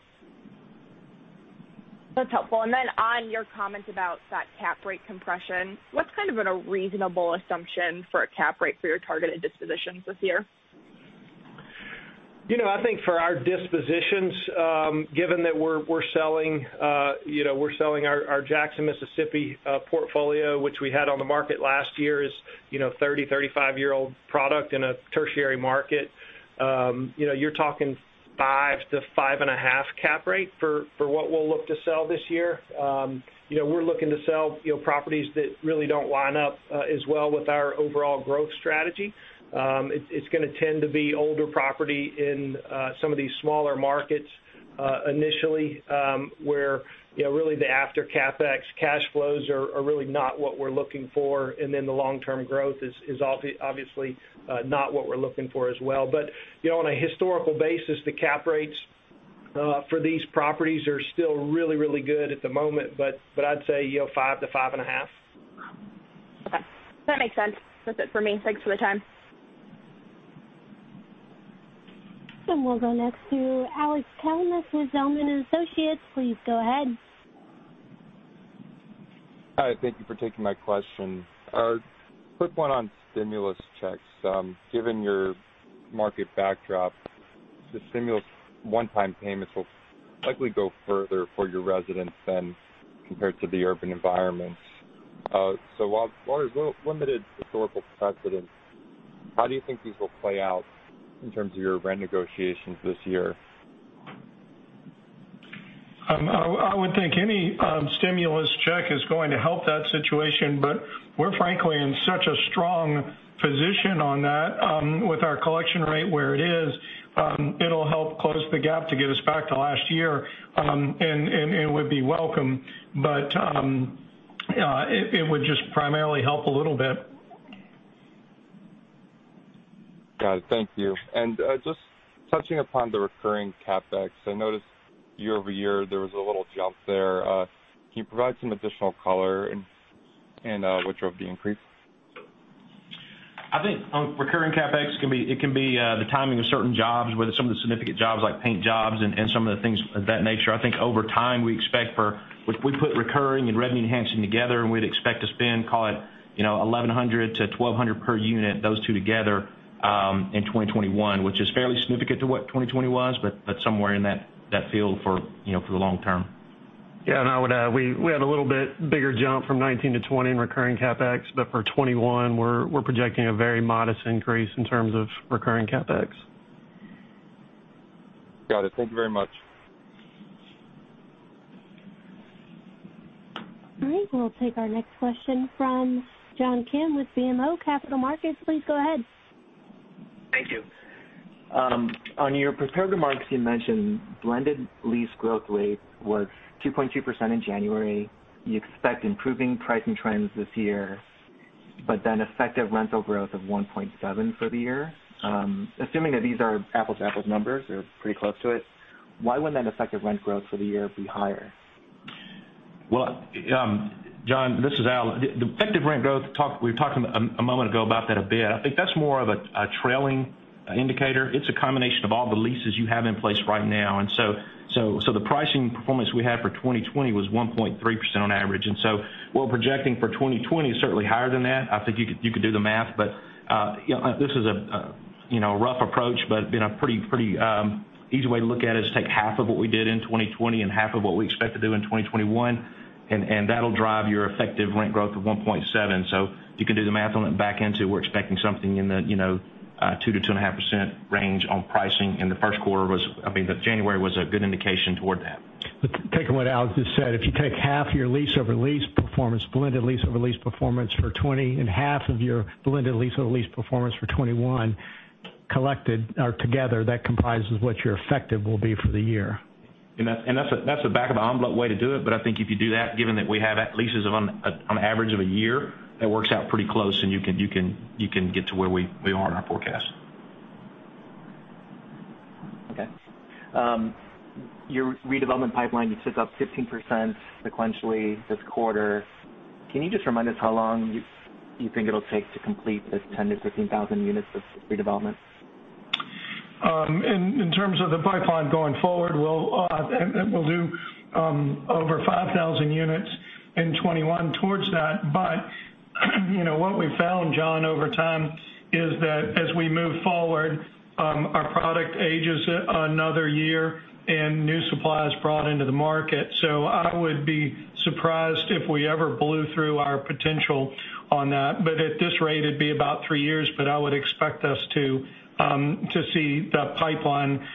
That's helpful. On your comment about that cap rate compression, what's kind of a reasonable assumption for a cap rate for your targeted dispositions this year? I think for our dispositions, given that we're selling our Jackson, Mississippi portfolio, which we had on the market last year as 30, 35-year-old product in a tertiary market. You're talking 5%-5.5% cap rate for what we'll look to sell this year. We're looking to sell properties that really don't line up as well with our overall growth strategy. It's going to tend to be older property in some of these smaller markets initially, where really the after CapEx cash flows are really not what we're looking for, and then the long-term growth is obviously not what we're looking for as well. On a historical basis, the cap rates for these properties are still really, really good at the moment, but I'd say 5%-5.5%. Okay. That makes sense. That's it for me. Thanks for the time. We'll go next to Alex Kalmus with Zelman & Associates. Please go ahead. Hi, thank you for taking my question. A quick one on stimulus checks. Given your market backdrop, the stimulus one-time payments will likely go further for your residents than compared to the urban environments. While there's limited historical precedent, how do you think these will play out in terms of your rent negotiations this year? I would think any stimulus check is going to help that situation, but we're frankly in such a strong position on that with our collection rate where it is. It'll help close the gap to get us back to last year, and it would be welcome. It would just primarily help a little bit. Got it. Thank you. Just touching upon the recurring CapEx, I noticed year-over-year, there was a little jump there. Can you provide some additional color in what drove the increase? I think on recurring CapEx, it can be the timing of certain jobs, whether some of the significant jobs like paint jobs and some of the things of that nature. I think over time, we expect for if we put recurring and revenue enhancing together, and we'd expect to spend, call it $1,100-$1,200 per unit, those two together, in 2021, which is fairly significant to what 2020 was, but somewhere in that field for the long term. Yeah, I would add, we had a little bit bigger jump from 2019-2020 in recurring CapEx, but for 2021, we're projecting a very modest increase in terms of recurring CapEx. Got it. Thank you very much. All right, we'll take our next question from John Kim with BMO Capital Markets. Please go ahead. Thank you. On your prepared remarks, you mentioned blended lease growth rate was 2.2% in January. You expect improving pricing trends this year. Effective rental growth of 1.7% for the year. Assuming that these are apples-to-apples numbers, they're pretty close to it, why wouldn't that effective rent growth for the year be higher? Well, John, this is Al. The effective rent growth, we were talking a moment ago about that a bit. I think that's more of a trailing indicator. It's a combination of all the leases you have in place right now. The pricing performance we had for 2020 was 1.3% on average. What we're projecting for 2020 is certainly higher than that. I think you could do the math, but this is a rough approach, but been a pretty easy way to look at it is take half of what we did in 2020 and half of what we expect to do in 2021, and that'll drive your effective rent growth of 1.7. You can do the math on it and back into, we're expecting something in the 2%-2.5% range on pricing in the Q1 was January was a good indication toward that. Taking what Al just said, if you take half of your lease-over-lease performance, blended lease-over-lease performance for 2020, and half of your blended lease-over-lease performance for 2021 collected or together, that comprises what your effective will be for the year. That's the back of the envelope way to do it, but I think if you do that, given that we have leases of on average of a year, that works out pretty close, and you can get to where we are in our forecast. Okay. Your redevelopment pipeline was just up 15% sequentially this quarter. Can you just remind us how long you think it'll take to complete this 10,000 units-15,000 units of redevelopment? In terms of the pipeline going forward, we'll do over 5,000 units in 2021 towards that. What we've found, John, over time, is that as we move forward, our product ages another year and new supply is brought into the market. I would be surprised if we ever blew through our potential on that. At this rate, it'd be about three years, but I would expect us to see the pipeline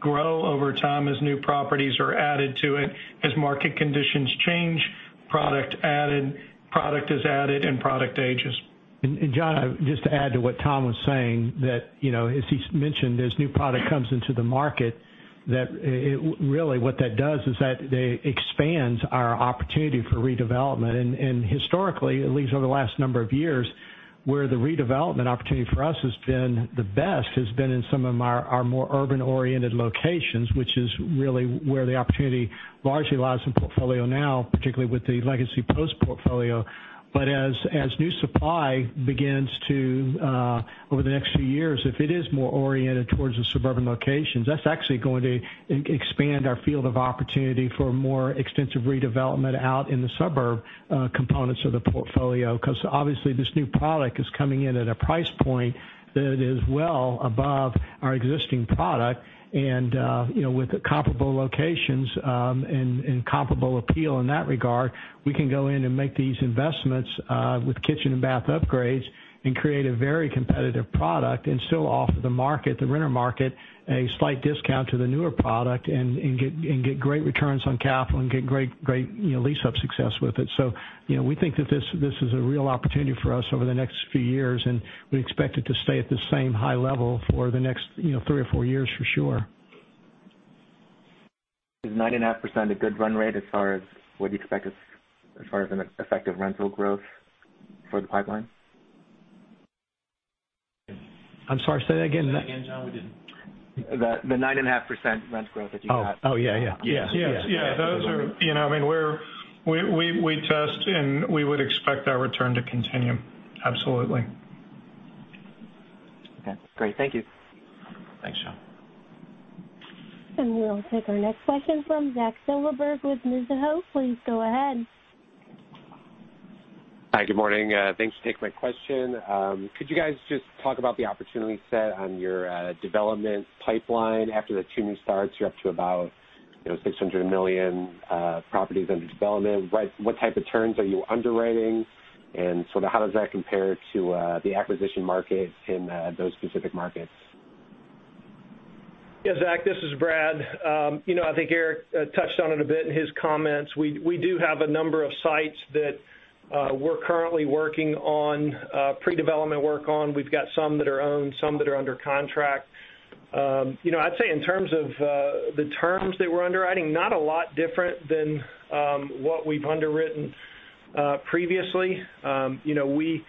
grow over time as new properties are added to it. As market conditions change, product is added, and product ages. John, just to add to what Tom was saying, that as he mentioned, as new product comes into the market, that really what that does is that it expands our opportunity for redevelopment. Historically, at least over the last number of years, where the redevelopment opportunity for us has been the best has been in some of our more urban-oriented locations, which is really where the opportunity largely lies in the portfolio now, particularly with the Legacy Post portfolio. As new supply begins to, over the next few years, if it is more oriented towards the suburban locations, that's actually going to expand our field of opportunity for more extensive redevelopment out in the suburb components of the portfolio. Obviously this new product is coming in at a price point that is well above our existing product. With comparable locations and comparable appeal in that regard, we can go in and make these investments with kitchen and bath upgrades and create a very competitive product and still offer the renter market a slight discount to the newer product and get great returns on capital and get great lease-up success with it. We think that this is a real opportunity for us over the next few years, and we expect it to stay at the same high level for the next three or four years for sure. Is 9.5% a good run rate as far as what you expect as far as an effective rental growth for the pipeline? I'm sorry, say that again. Say that again, John. The nine and a half % rent growth that you had. Oh, yeah. Yeah. We test, and we would expect our return to continue. Absolutely. Okay, great. Thank you. Thanks, John. We'll take our next question from Zach Silverberg with Mizuho. Please go ahead. Hi, good morning. Thanks for taking my question. Could you guys just talk about the opportunity set on your development pipeline? After the two new starts, you're up to about $600 million properties under development. What type of turns are you underwriting? Sort of how does that compare to the acquisition market in those specific markets? Yeah, Zach, this is Brad. I think Eric touched on it a bit in his comments. We do have a number of sites that we're currently working on, pre-development work on. We've got some that are owned, some that are under contract. I'd say in terms of the terms that we're underwriting, not a lot different than what we've underwritten previously. We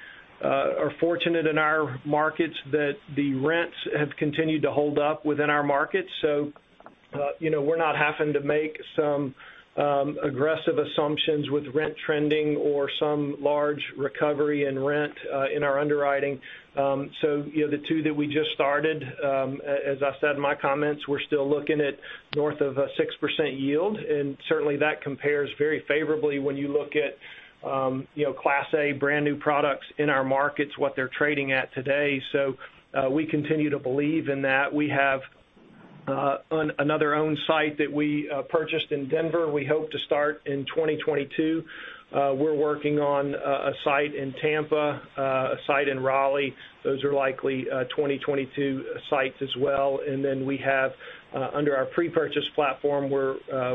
are fortunate in our markets that the rents have continued to hold up within our markets. We're not having to make some aggressive assumptions with rent trending or some large recovery in rent in our underwriting. The two that we just started, as I said in my comments, we're still looking at north of a 6% yield. Certainly that compares very favorably when you look at Class A brand new products in our markets, what they're trading at today. We continue to believe in that. We have another owned site that we purchased in Denver we hope to start in 2022. We're working on a site in Tampa, a site in Raleigh. Those are likely 2022 sites as well. We have under our pre-purchase platform,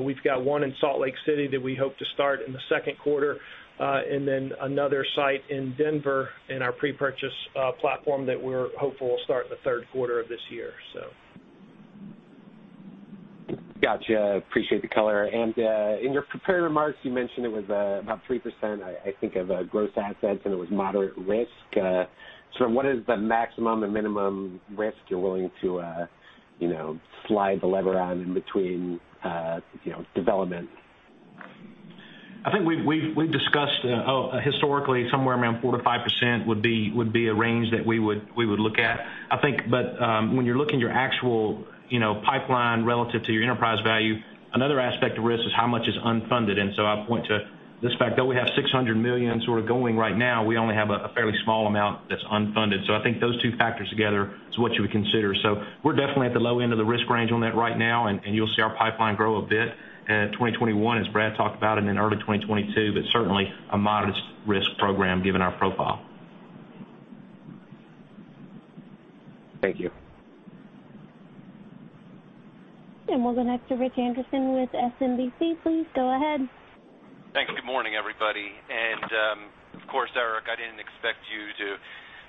we've got one in Salt Lake City that we hope to start in the Q2. Another site in Denver in our pre-purchase platform that we're hopeful will start in the Q3 of this year. Got you. Appreciate the color. In your prepared remarks, you mentioned it was about 3%, I think, of gross assets, and it was moderate risk. What is the maximum and minimum risk you're willing to slide the lever on in between development? I think we've discussed, historically, somewhere around 4%-5% would be a range that we would look at. I think, when you're looking at your actual pipeline relative to your enterprise value, another aspect of risk is how much is unfunded. I point to this fact, though we have $600 million sort of going right now, we only have a fairly small amount that's unfunded. I think those two factors together is what you would consider. We're definitely at the low end of the risk range on that right now, and you'll see our pipeline grow a bit 2021, as Brad talked about, and then early 2022. Certainly, a modest risk program given our profile. Thank you. We'll go next to Rich Anderson with SMBC. Please go ahead. Thanks. Good morning, everybody. Of course, Eric, I didn't expect you to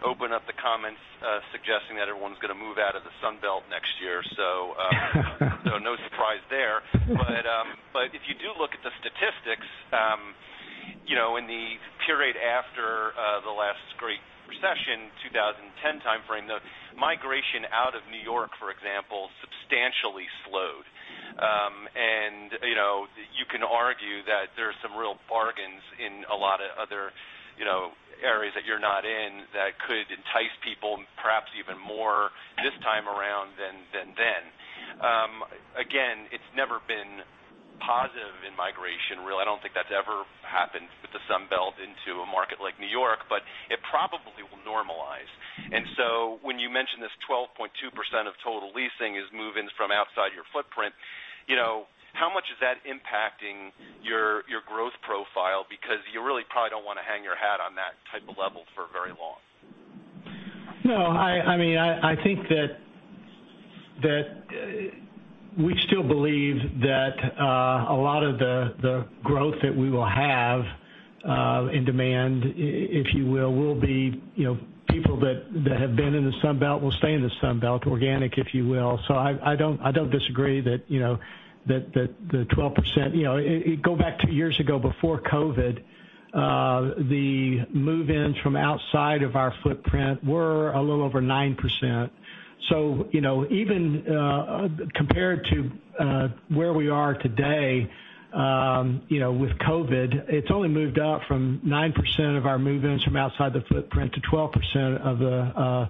open up the comments suggesting that everyone's going to move out of the Sun Belt next year. No surprise there. If you do look at the statistics, in the period after the last Great Recession, 2010 timeframe, the migration out of New York, for example, substantially slowed. You can argue that there's some real bargains in a lot of other areas that you're not in that could entice people perhaps even more this time around than then. Again, it's never been positive in migration, really. I don't think that's ever happened with the Sun Belt into a market like New York, it probably will normalize. When you mention this 12.2% of total leasing is move-ins from outside your footprint, how much is that impacting your growth profile? You really probably don't want to hang your hat on that type of level for very long. No. I think that we still believe that a lot of the growth that we will have in demand, if you will be people that have been in the Sun Belt will stay in the Sun Belt, organic, if you will. I don't disagree that the 12% Go back two years ago, before COVID-19, the move-ins from outside of our footprint were a little over 9%. Even compared to where we are today with COVID-19, it's only moved up from 9% of our move-ins from outside the footprint to 12%.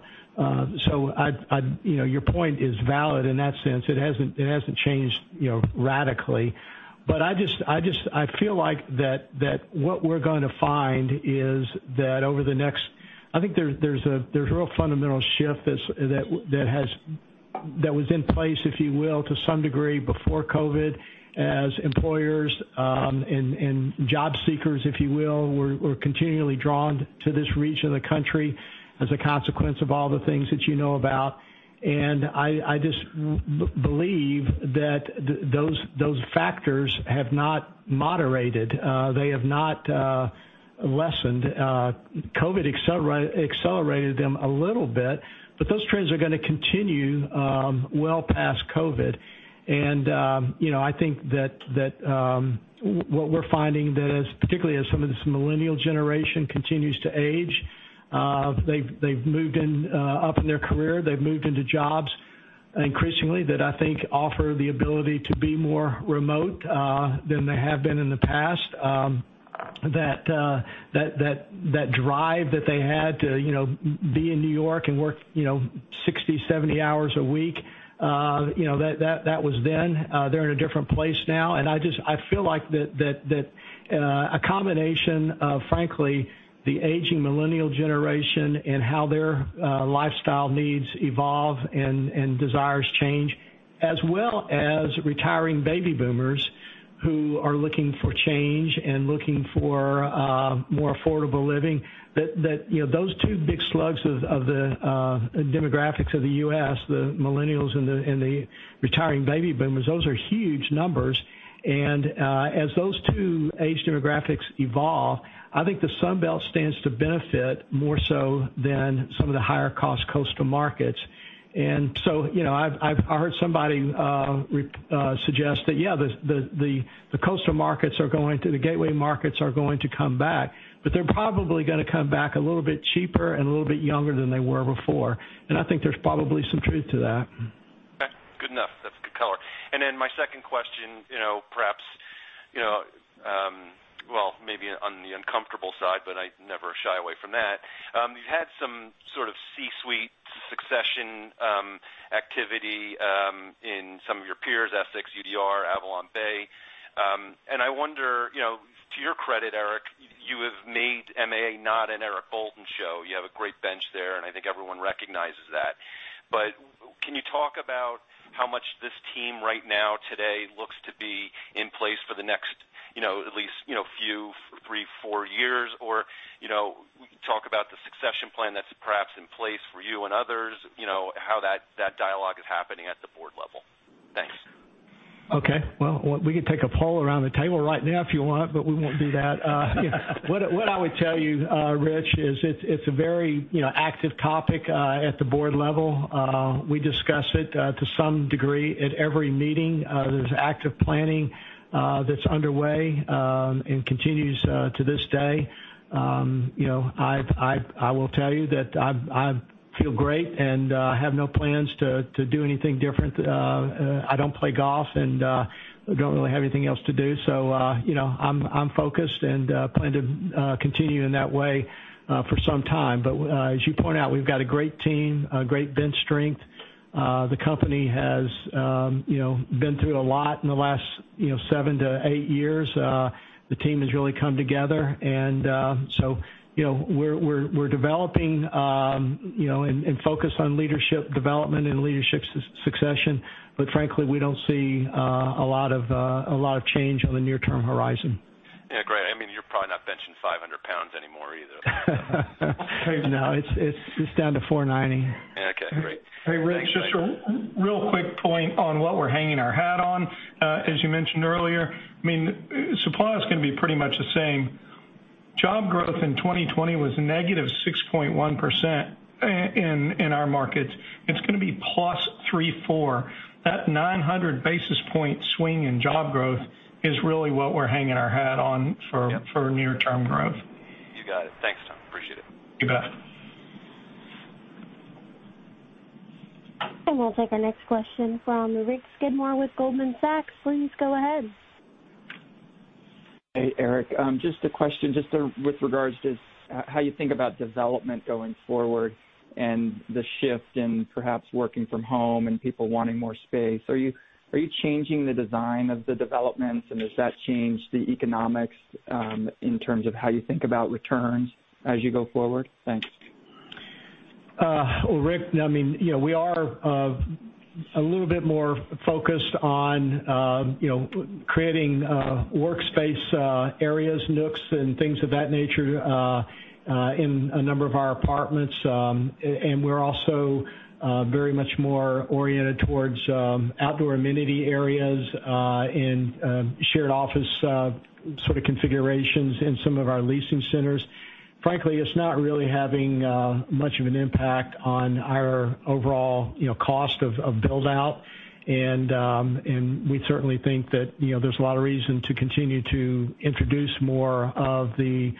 Your point is valid in that sense. It hasn't changed radically. I feel like that what we're going to find is that over the next I think there's a real fundamental shift that was in place, if you will, to some degree before COVID as employers and job seekers, if you will, were continually drawn to this region of the country as a consequence of all the things that you know about. I just believe that those factors have not moderated. They have not lessened. COVID accelerated them a little bit, but those trends are going to continue well past COVID. I think that what we're finding that, particularly as some of this millennial generation continues to age, they've moved up in their career. They've moved into jobs increasingly that I think offer the ability to be more remote than they have been in the past. That drive that they had to be in New York and work 60, 70 hours a week, that was then. They're in a different place now. I feel like that a combination of, frankly, the aging millennial generation and how their lifestyle needs evolve and desires change, as well as retiring baby boomers who are looking for change and looking for more affordable living, that those two big slugs of the demographics of the U.S., the millennials and the retiring baby boomers, those are huge numbers. As those two age demographics evolve, I think the Sun Belt stands to benefit more so than some of the higher-cost coastal markets. I've heard somebody suggest that, yeah, the coastal markets, the gateway markets are going to come back. They're probably going to come back a little bit cheaper and a little bit younger than they were before. I think there's probably some truth to that. Okay. Good enough. That's good color. Then my second question, perhaps, well, maybe on the uncomfortable side, but I never shy away from that. You've had some sort of C-suite succession activity in some of your peers, Essex, UDR, AvalonBay. I wonder, to your credit, Eric, you have made MAA not an Eric Bolton show. You have a great bench there, and I think everyone recognizes that. Can you talk about how much this team right now today looks to be in place for the next at least few, three, four years? Talk about the succession plan that's perhaps in place for you and others, how that dialogue is happening at the board level. Okay. Well, we can take a poll around the table right now if you want. We won't do that. What I would tell you, Rich, is it's a very active topic at the board level. We discuss it to some degree at every meeting. There's active planning that's underway and continues to this day. I will tell you that I feel great and have no plans to do anything different. I don't play golf and don't really have anything else to do. I'm focused and plan to continue in that way for some time. As you point out, we've got a great team, a great bench strength. The company has been through a lot in the last seven to eight years. The team has really come together. We're developing and focused on leadership development and leadership succession. Frankly, we don't see a lot of change on the near-term horizon. Yeah. Great. You're probably not benching 500 pounds anymore either. No, it's down to 490. Okay, great. Hey, Rich, just a real quick point on what we're hanging our hat on. As you mentioned earlier, supply is going to be pretty much the same. Job growth in 2020 was negative 6.1% in our markets. It's going to be plus 3.4%. That 900 basis point swing in job growth is really what we're hanging our hat on for near-term growth. You got it. Thanks, Tom. Appreciate it. You bet. We'll take our next question from Rick Skidmore with Goldman Sachs. Please go ahead. Hey, Eric. Just a question just with regards to how you think about development going forward and the shift in perhaps working from home and people wanting more space. Are you changing the design of the developments, and does that change the economics in terms of how you think about returns as you go forward? Thanks. Well, Rick, we are a little bit more focused on creating workspace areas, nooks, and things of that nature in a number of our apartments. We're also very much more oriented towards outdoor amenity areas in shared office configurations in some of our leasing centers. Frankly, it's not really having much of an impact on our overall cost of build-out, and we certainly think that there's a lot of reason to continue to introduce more of the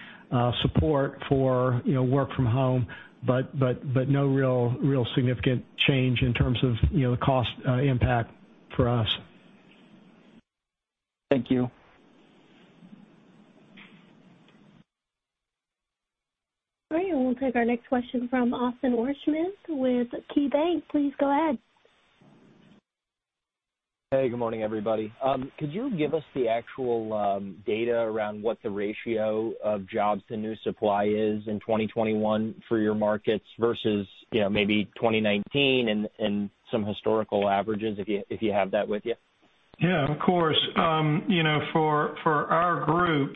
support for work from home, but no real significant change in terms of the cost impact for us. Thank you. All right. We'll take our next question from Austin Wurschmidt with KeyBanc. Please go ahead. Hey, good morning, everybody. Could you give us the actual data around what the ratio of jobs to new supply is in 2021 for your markets versus maybe 2019 and some historical averages, if you have that with you? Yeah. Of course. For our group,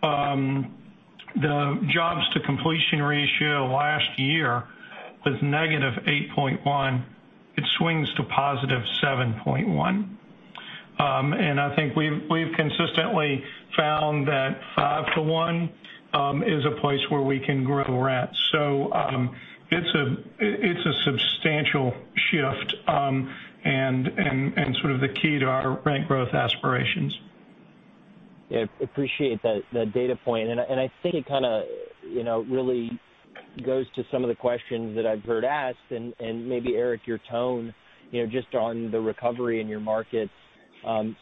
the jobs to completion ratio last year was negative 8.1. It swings to positive 7.1. I think we've consistently found that 5:1 is a place where we can grow rent. It's a substantial shift, and sort of the key to our rent growth aspirations. Yeah. Appreciate that data point. I think it kind of really goes to some of the questions that I've heard asked, and maybe Eric, your tone just on the recovery in your market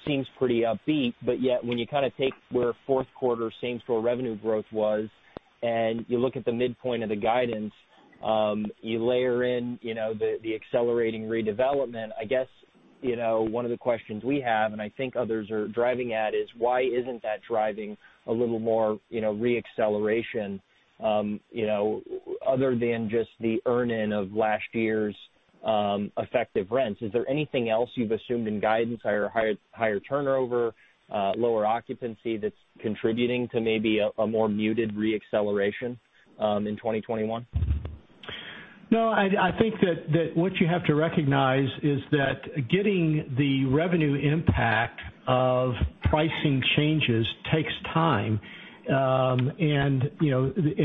seems pretty upbeat. Yet, when you kind of take where Q4 same store revenue growth was, and you look at the midpoint of the guidance, you layer in the accelerating redevelopment. I guess one of the questions we have, and I think others are driving at, is why isn't that driving a little more re-acceleration other than just the earn-in of last year's effective rents? Is there anything else you've assumed in guidance, higher turnover, lower occupancy, that's contributing to maybe a more muted re-acceleration in 2021? No, I think that what you have to recognize is that getting the revenue impact of pricing changes takes time.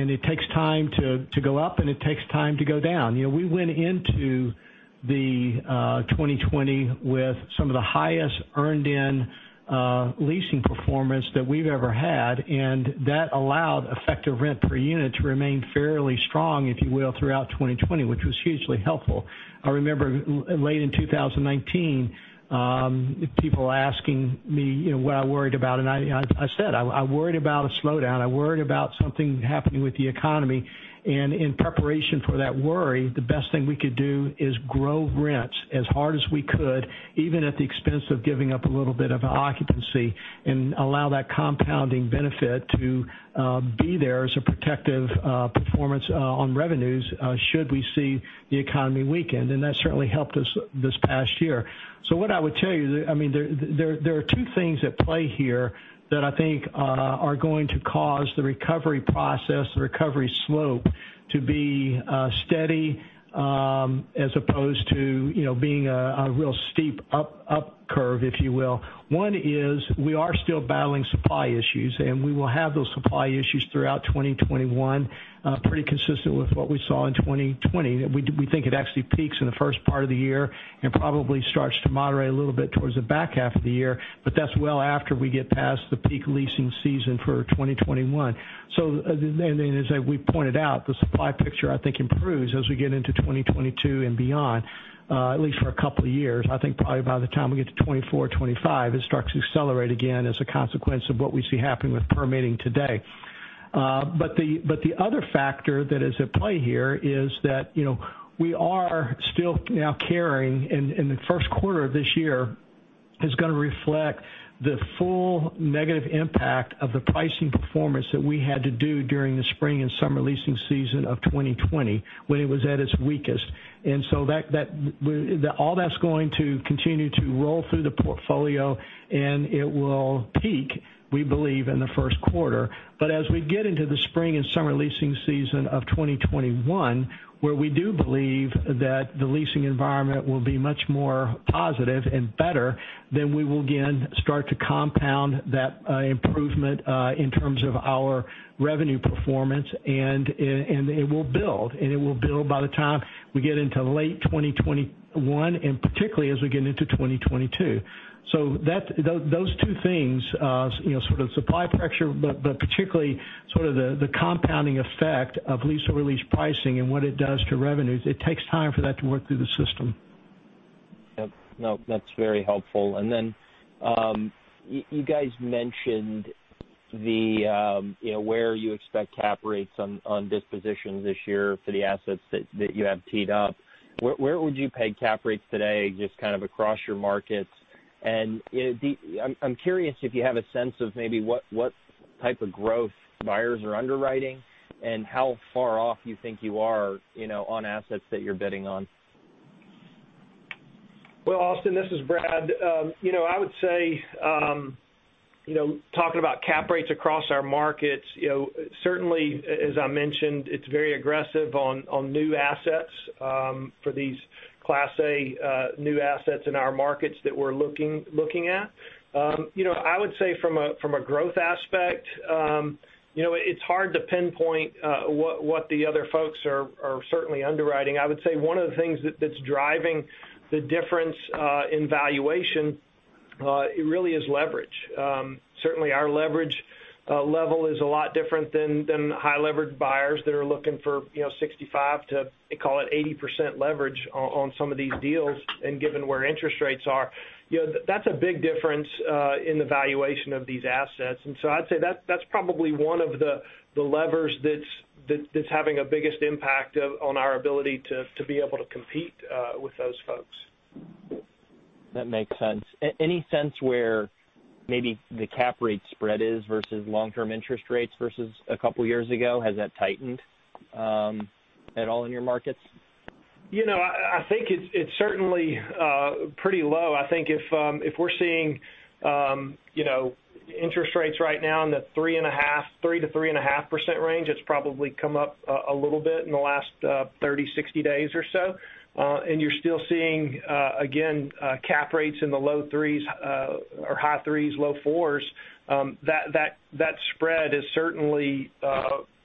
It takes time to go up, and it takes time to go down. We went into 2020 with some of the highest earned-in leasing performance that we've ever had, and that allowed effective rent per unit to remain fairly strong, if you will, throughout 2020, which was hugely helpful. I remember late in 2019, people asking me what I worried about, and I said I worried about a slowdown. I worried about something happening with the economy. In preparation for that worry, the best thing we could do is grow rents as hard as we could, even at the expense of giving up a little bit of occupancy, and allow that compounding benefit to be there as a protective performance on revenues should we see the economy weaken. That certainly helped us this past year. What I would tell you, there are two things at play here that I think are going to cause the recovery process, the recovery slope, to be steady as opposed to being a real steep up curve, if you will. One is we are still battling supply issues, and we will have those supply issues throughout 2021 pretty consistent with what we saw in 2020. We think it actually peaks in the first part of the year and probably starts to moderate a little bit towards the back half of the year, but that's well after we get past the peak leasing season for 2021. As we pointed out, the supply picture, I think, improves as we get into 2022 and beyond, at least for a couple of years. I think probably by the time we get to 2024, 2025, it starts to accelerate again as a consequence of what we see happening with permitting today. The other factor that is at play here is that, we are still now carrying in the Q1 of this year, is going to reflect the full negative impact of the pricing performance that we had to do during the spring and summer leasing season of 2020, when it was at its weakest. All that's going to continue to roll through the portfolio, and it will peak, we believe, in the Q1. As we get into the spring and summer leasing season of 2021, where we do believe that the leasing environment will be much more positive and better, we will again, start to compound that improvement in terms of our revenue performance and it will build. It will build by the time we get into late 2021 and particularly as we get into 2022. Those two things, sort of supply pressure, but particularly sort of the compounding effect of lease-over-lease pricing and what it does to revenues, it takes time for that to work through the system. Yep. No, that's very helpful. You guys mentioned where you expect cap rates on dispositions this year for the assets that you have teed up. Where would you peg cap rates today, just kind of across your markets? I'm curious if you have a sense of maybe what type of growth buyers are underwriting and how far off you think you are on assets that you're bidding on. Austin, this is Brad. I would say, talking about cap rates across our markets, certainly as I mentioned, it's very aggressive on new assets for these Class A new assets in our markets that we're looking at. I would say from a growth aspect, it's hard to pinpoint what the other folks are certainly underwriting. I would say one of the things that's driving the difference in valuation really is leverage. Certainly, our leverage level is a lot different than high leverage buyers that are looking for 65%-80% leverage on some of these deals, and given where interest rates are. That's a big difference in the valuation of these assets. I'd say that's probably one of the levers that's having a biggest impact on our ability to be able to compete with those folks. That makes sense. Any sense where maybe the cap rate spread is versus long-term interest rates versus a couple of years ago? Has that tightened at all in your markets? I think it's certainly pretty low. I think if we're seeing interest rates right now in the 3%-3.5% range, it's probably come up a little bit in the last 30, 60 days or so. You're still seeing, again, cap rates in the low 3s or high 3s, low 4s. That spread is certainly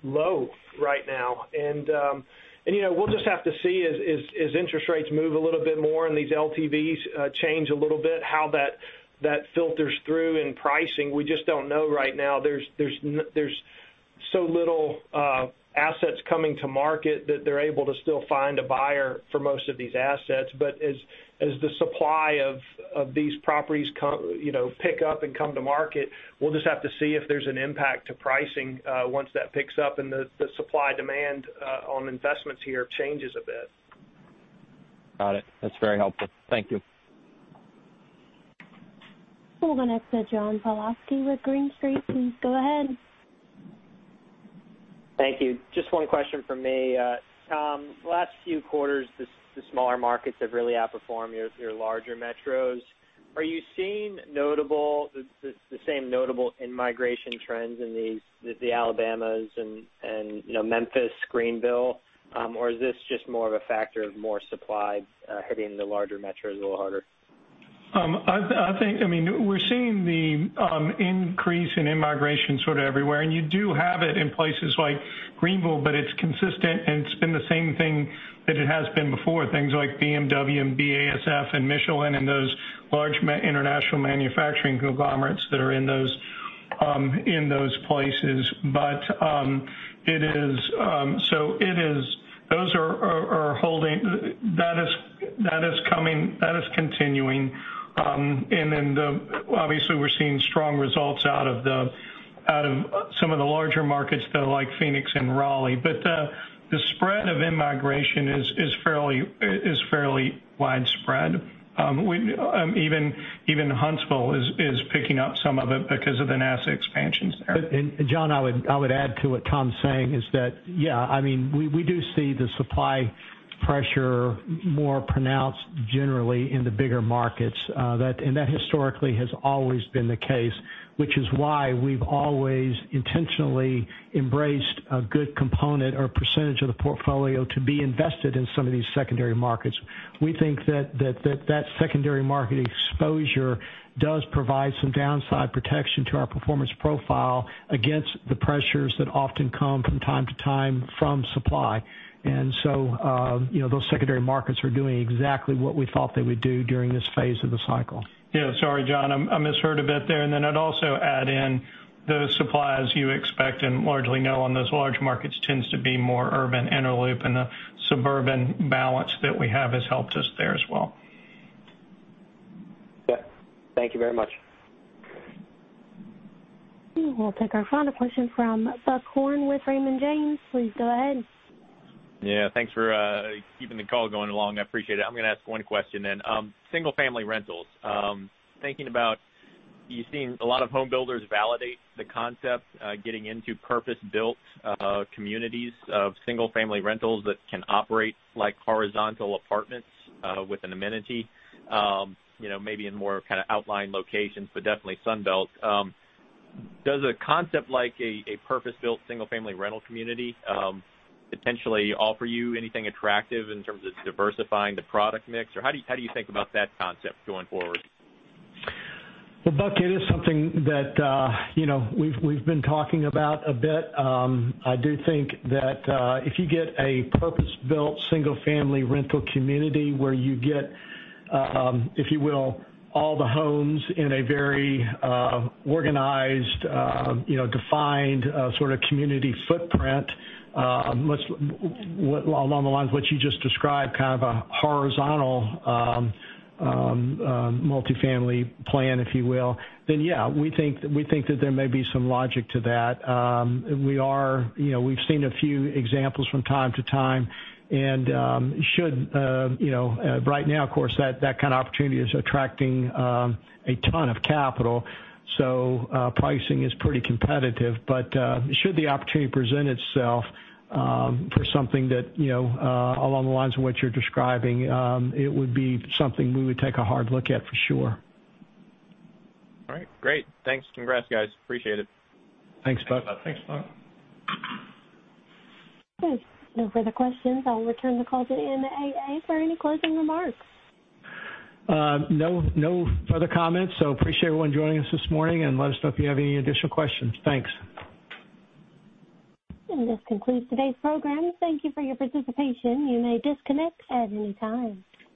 low right now. We'll just have to see as interest rates move a little bit more and these LTVs change a little bit, how that filters through in pricing. We just don't know right now. There's so little assets coming to market that they're able to still find a buyer for most of these assets. As the supply of these properties pick up and come to market, we'll just have to see if there's an impact to pricing once that picks up and the supply-demand on investments here changes a bit. Got it. That's very helpful. Thank you. We'll go next to John Pawlowski with Green Street. Please go ahead. Thank you. Just one question from me. Tom, the last few quarters, the smaller markets have really outperformed your larger metros. Are you seeing the same notable in-migration trends in Alabama and Memphis, Greenville? Is this just more of a factor of more supply hitting the larger metros a little harder? We're seeing the increase in in-migration sort of everywhere, and you do have it in places like Greenville, but it's consistent and it's been the same thing that it has been before. Things like BMW and BASF and Michelin and those large international manufacturing conglomerates that are in those places. That is continuing. Obviously we're seeing strong results out of some of the larger markets that are like Phoenix and Raleigh. The spread of in-migration is fairly widespread. Even Huntsville is picking up some of it because of the NASA expansions there. John, I would add to what Tom's saying, is that, yeah, we do see the supply pressure more pronounced generally in the bigger markets. That historically has always been the case, which is why we've always intentionally embraced a good component or percentage of the portfolio to be invested in some of these secondary markets. We think that secondary market exposure does provide some downside protection to our performance profile against the pressures that often come from time to time from supply. Those secondary markets are doing exactly what we thought they would do during this phase of the cycle. Yeah. Sorry, John, I misheard a bit there. I'd also add in the supply as you expect and largely know on those large markets tends to be more urban inner loop and the suburban balance that we have has helped us there as well. Thank you very much. We'll take our final question from Buck Horne with Raymond James. Please go ahead. Yeah, thanks for keeping the call going along. I appreciate it. I'm going to ask one question. Single family rentals. Thinking about, you've seen a lot of home builders validate the concept, getting into purpose-built communities of single family rentals that can operate like horizontal apartments with an amenity. Maybe in more kind of outlying locations, but definitely Sun Belt. Does a concept like a purpose-built single family rental community potentially offer you anything attractive in terms of diversifying the product mix? How do you think about that concept going forward? Well, Buck, it is something that we've been talking about a bit. I do think that if you get a purpose-built single family rental community where you get, if you will, all the homes in a very organized, defined sort of community footprint along the lines of what you just described, kind of a horizontal multifamily plan, if you will, yeah, we think that there may be some logic to that. We’ve seen a few examples from time to time, right now, of course, that kind of opportunity is attracting a ton of capital, pricing is pretty competitive. Should the opportunity present itself for something that along the lines of what you’re describing, it would be something we would take a hard look at for sure. All right, great. Thanks. Congrats, guys, appreciate it. Thanks, Buck. Thanks, Buck. Okay, no further questions. I'll return the call to MAA. Is there any closing remarks? No further comments. Appreciate everyone joining us this morning and let us know if you have any additional questions. Thanks. And this concludes today's program. Thank you for your participation. You may disconnect at any time.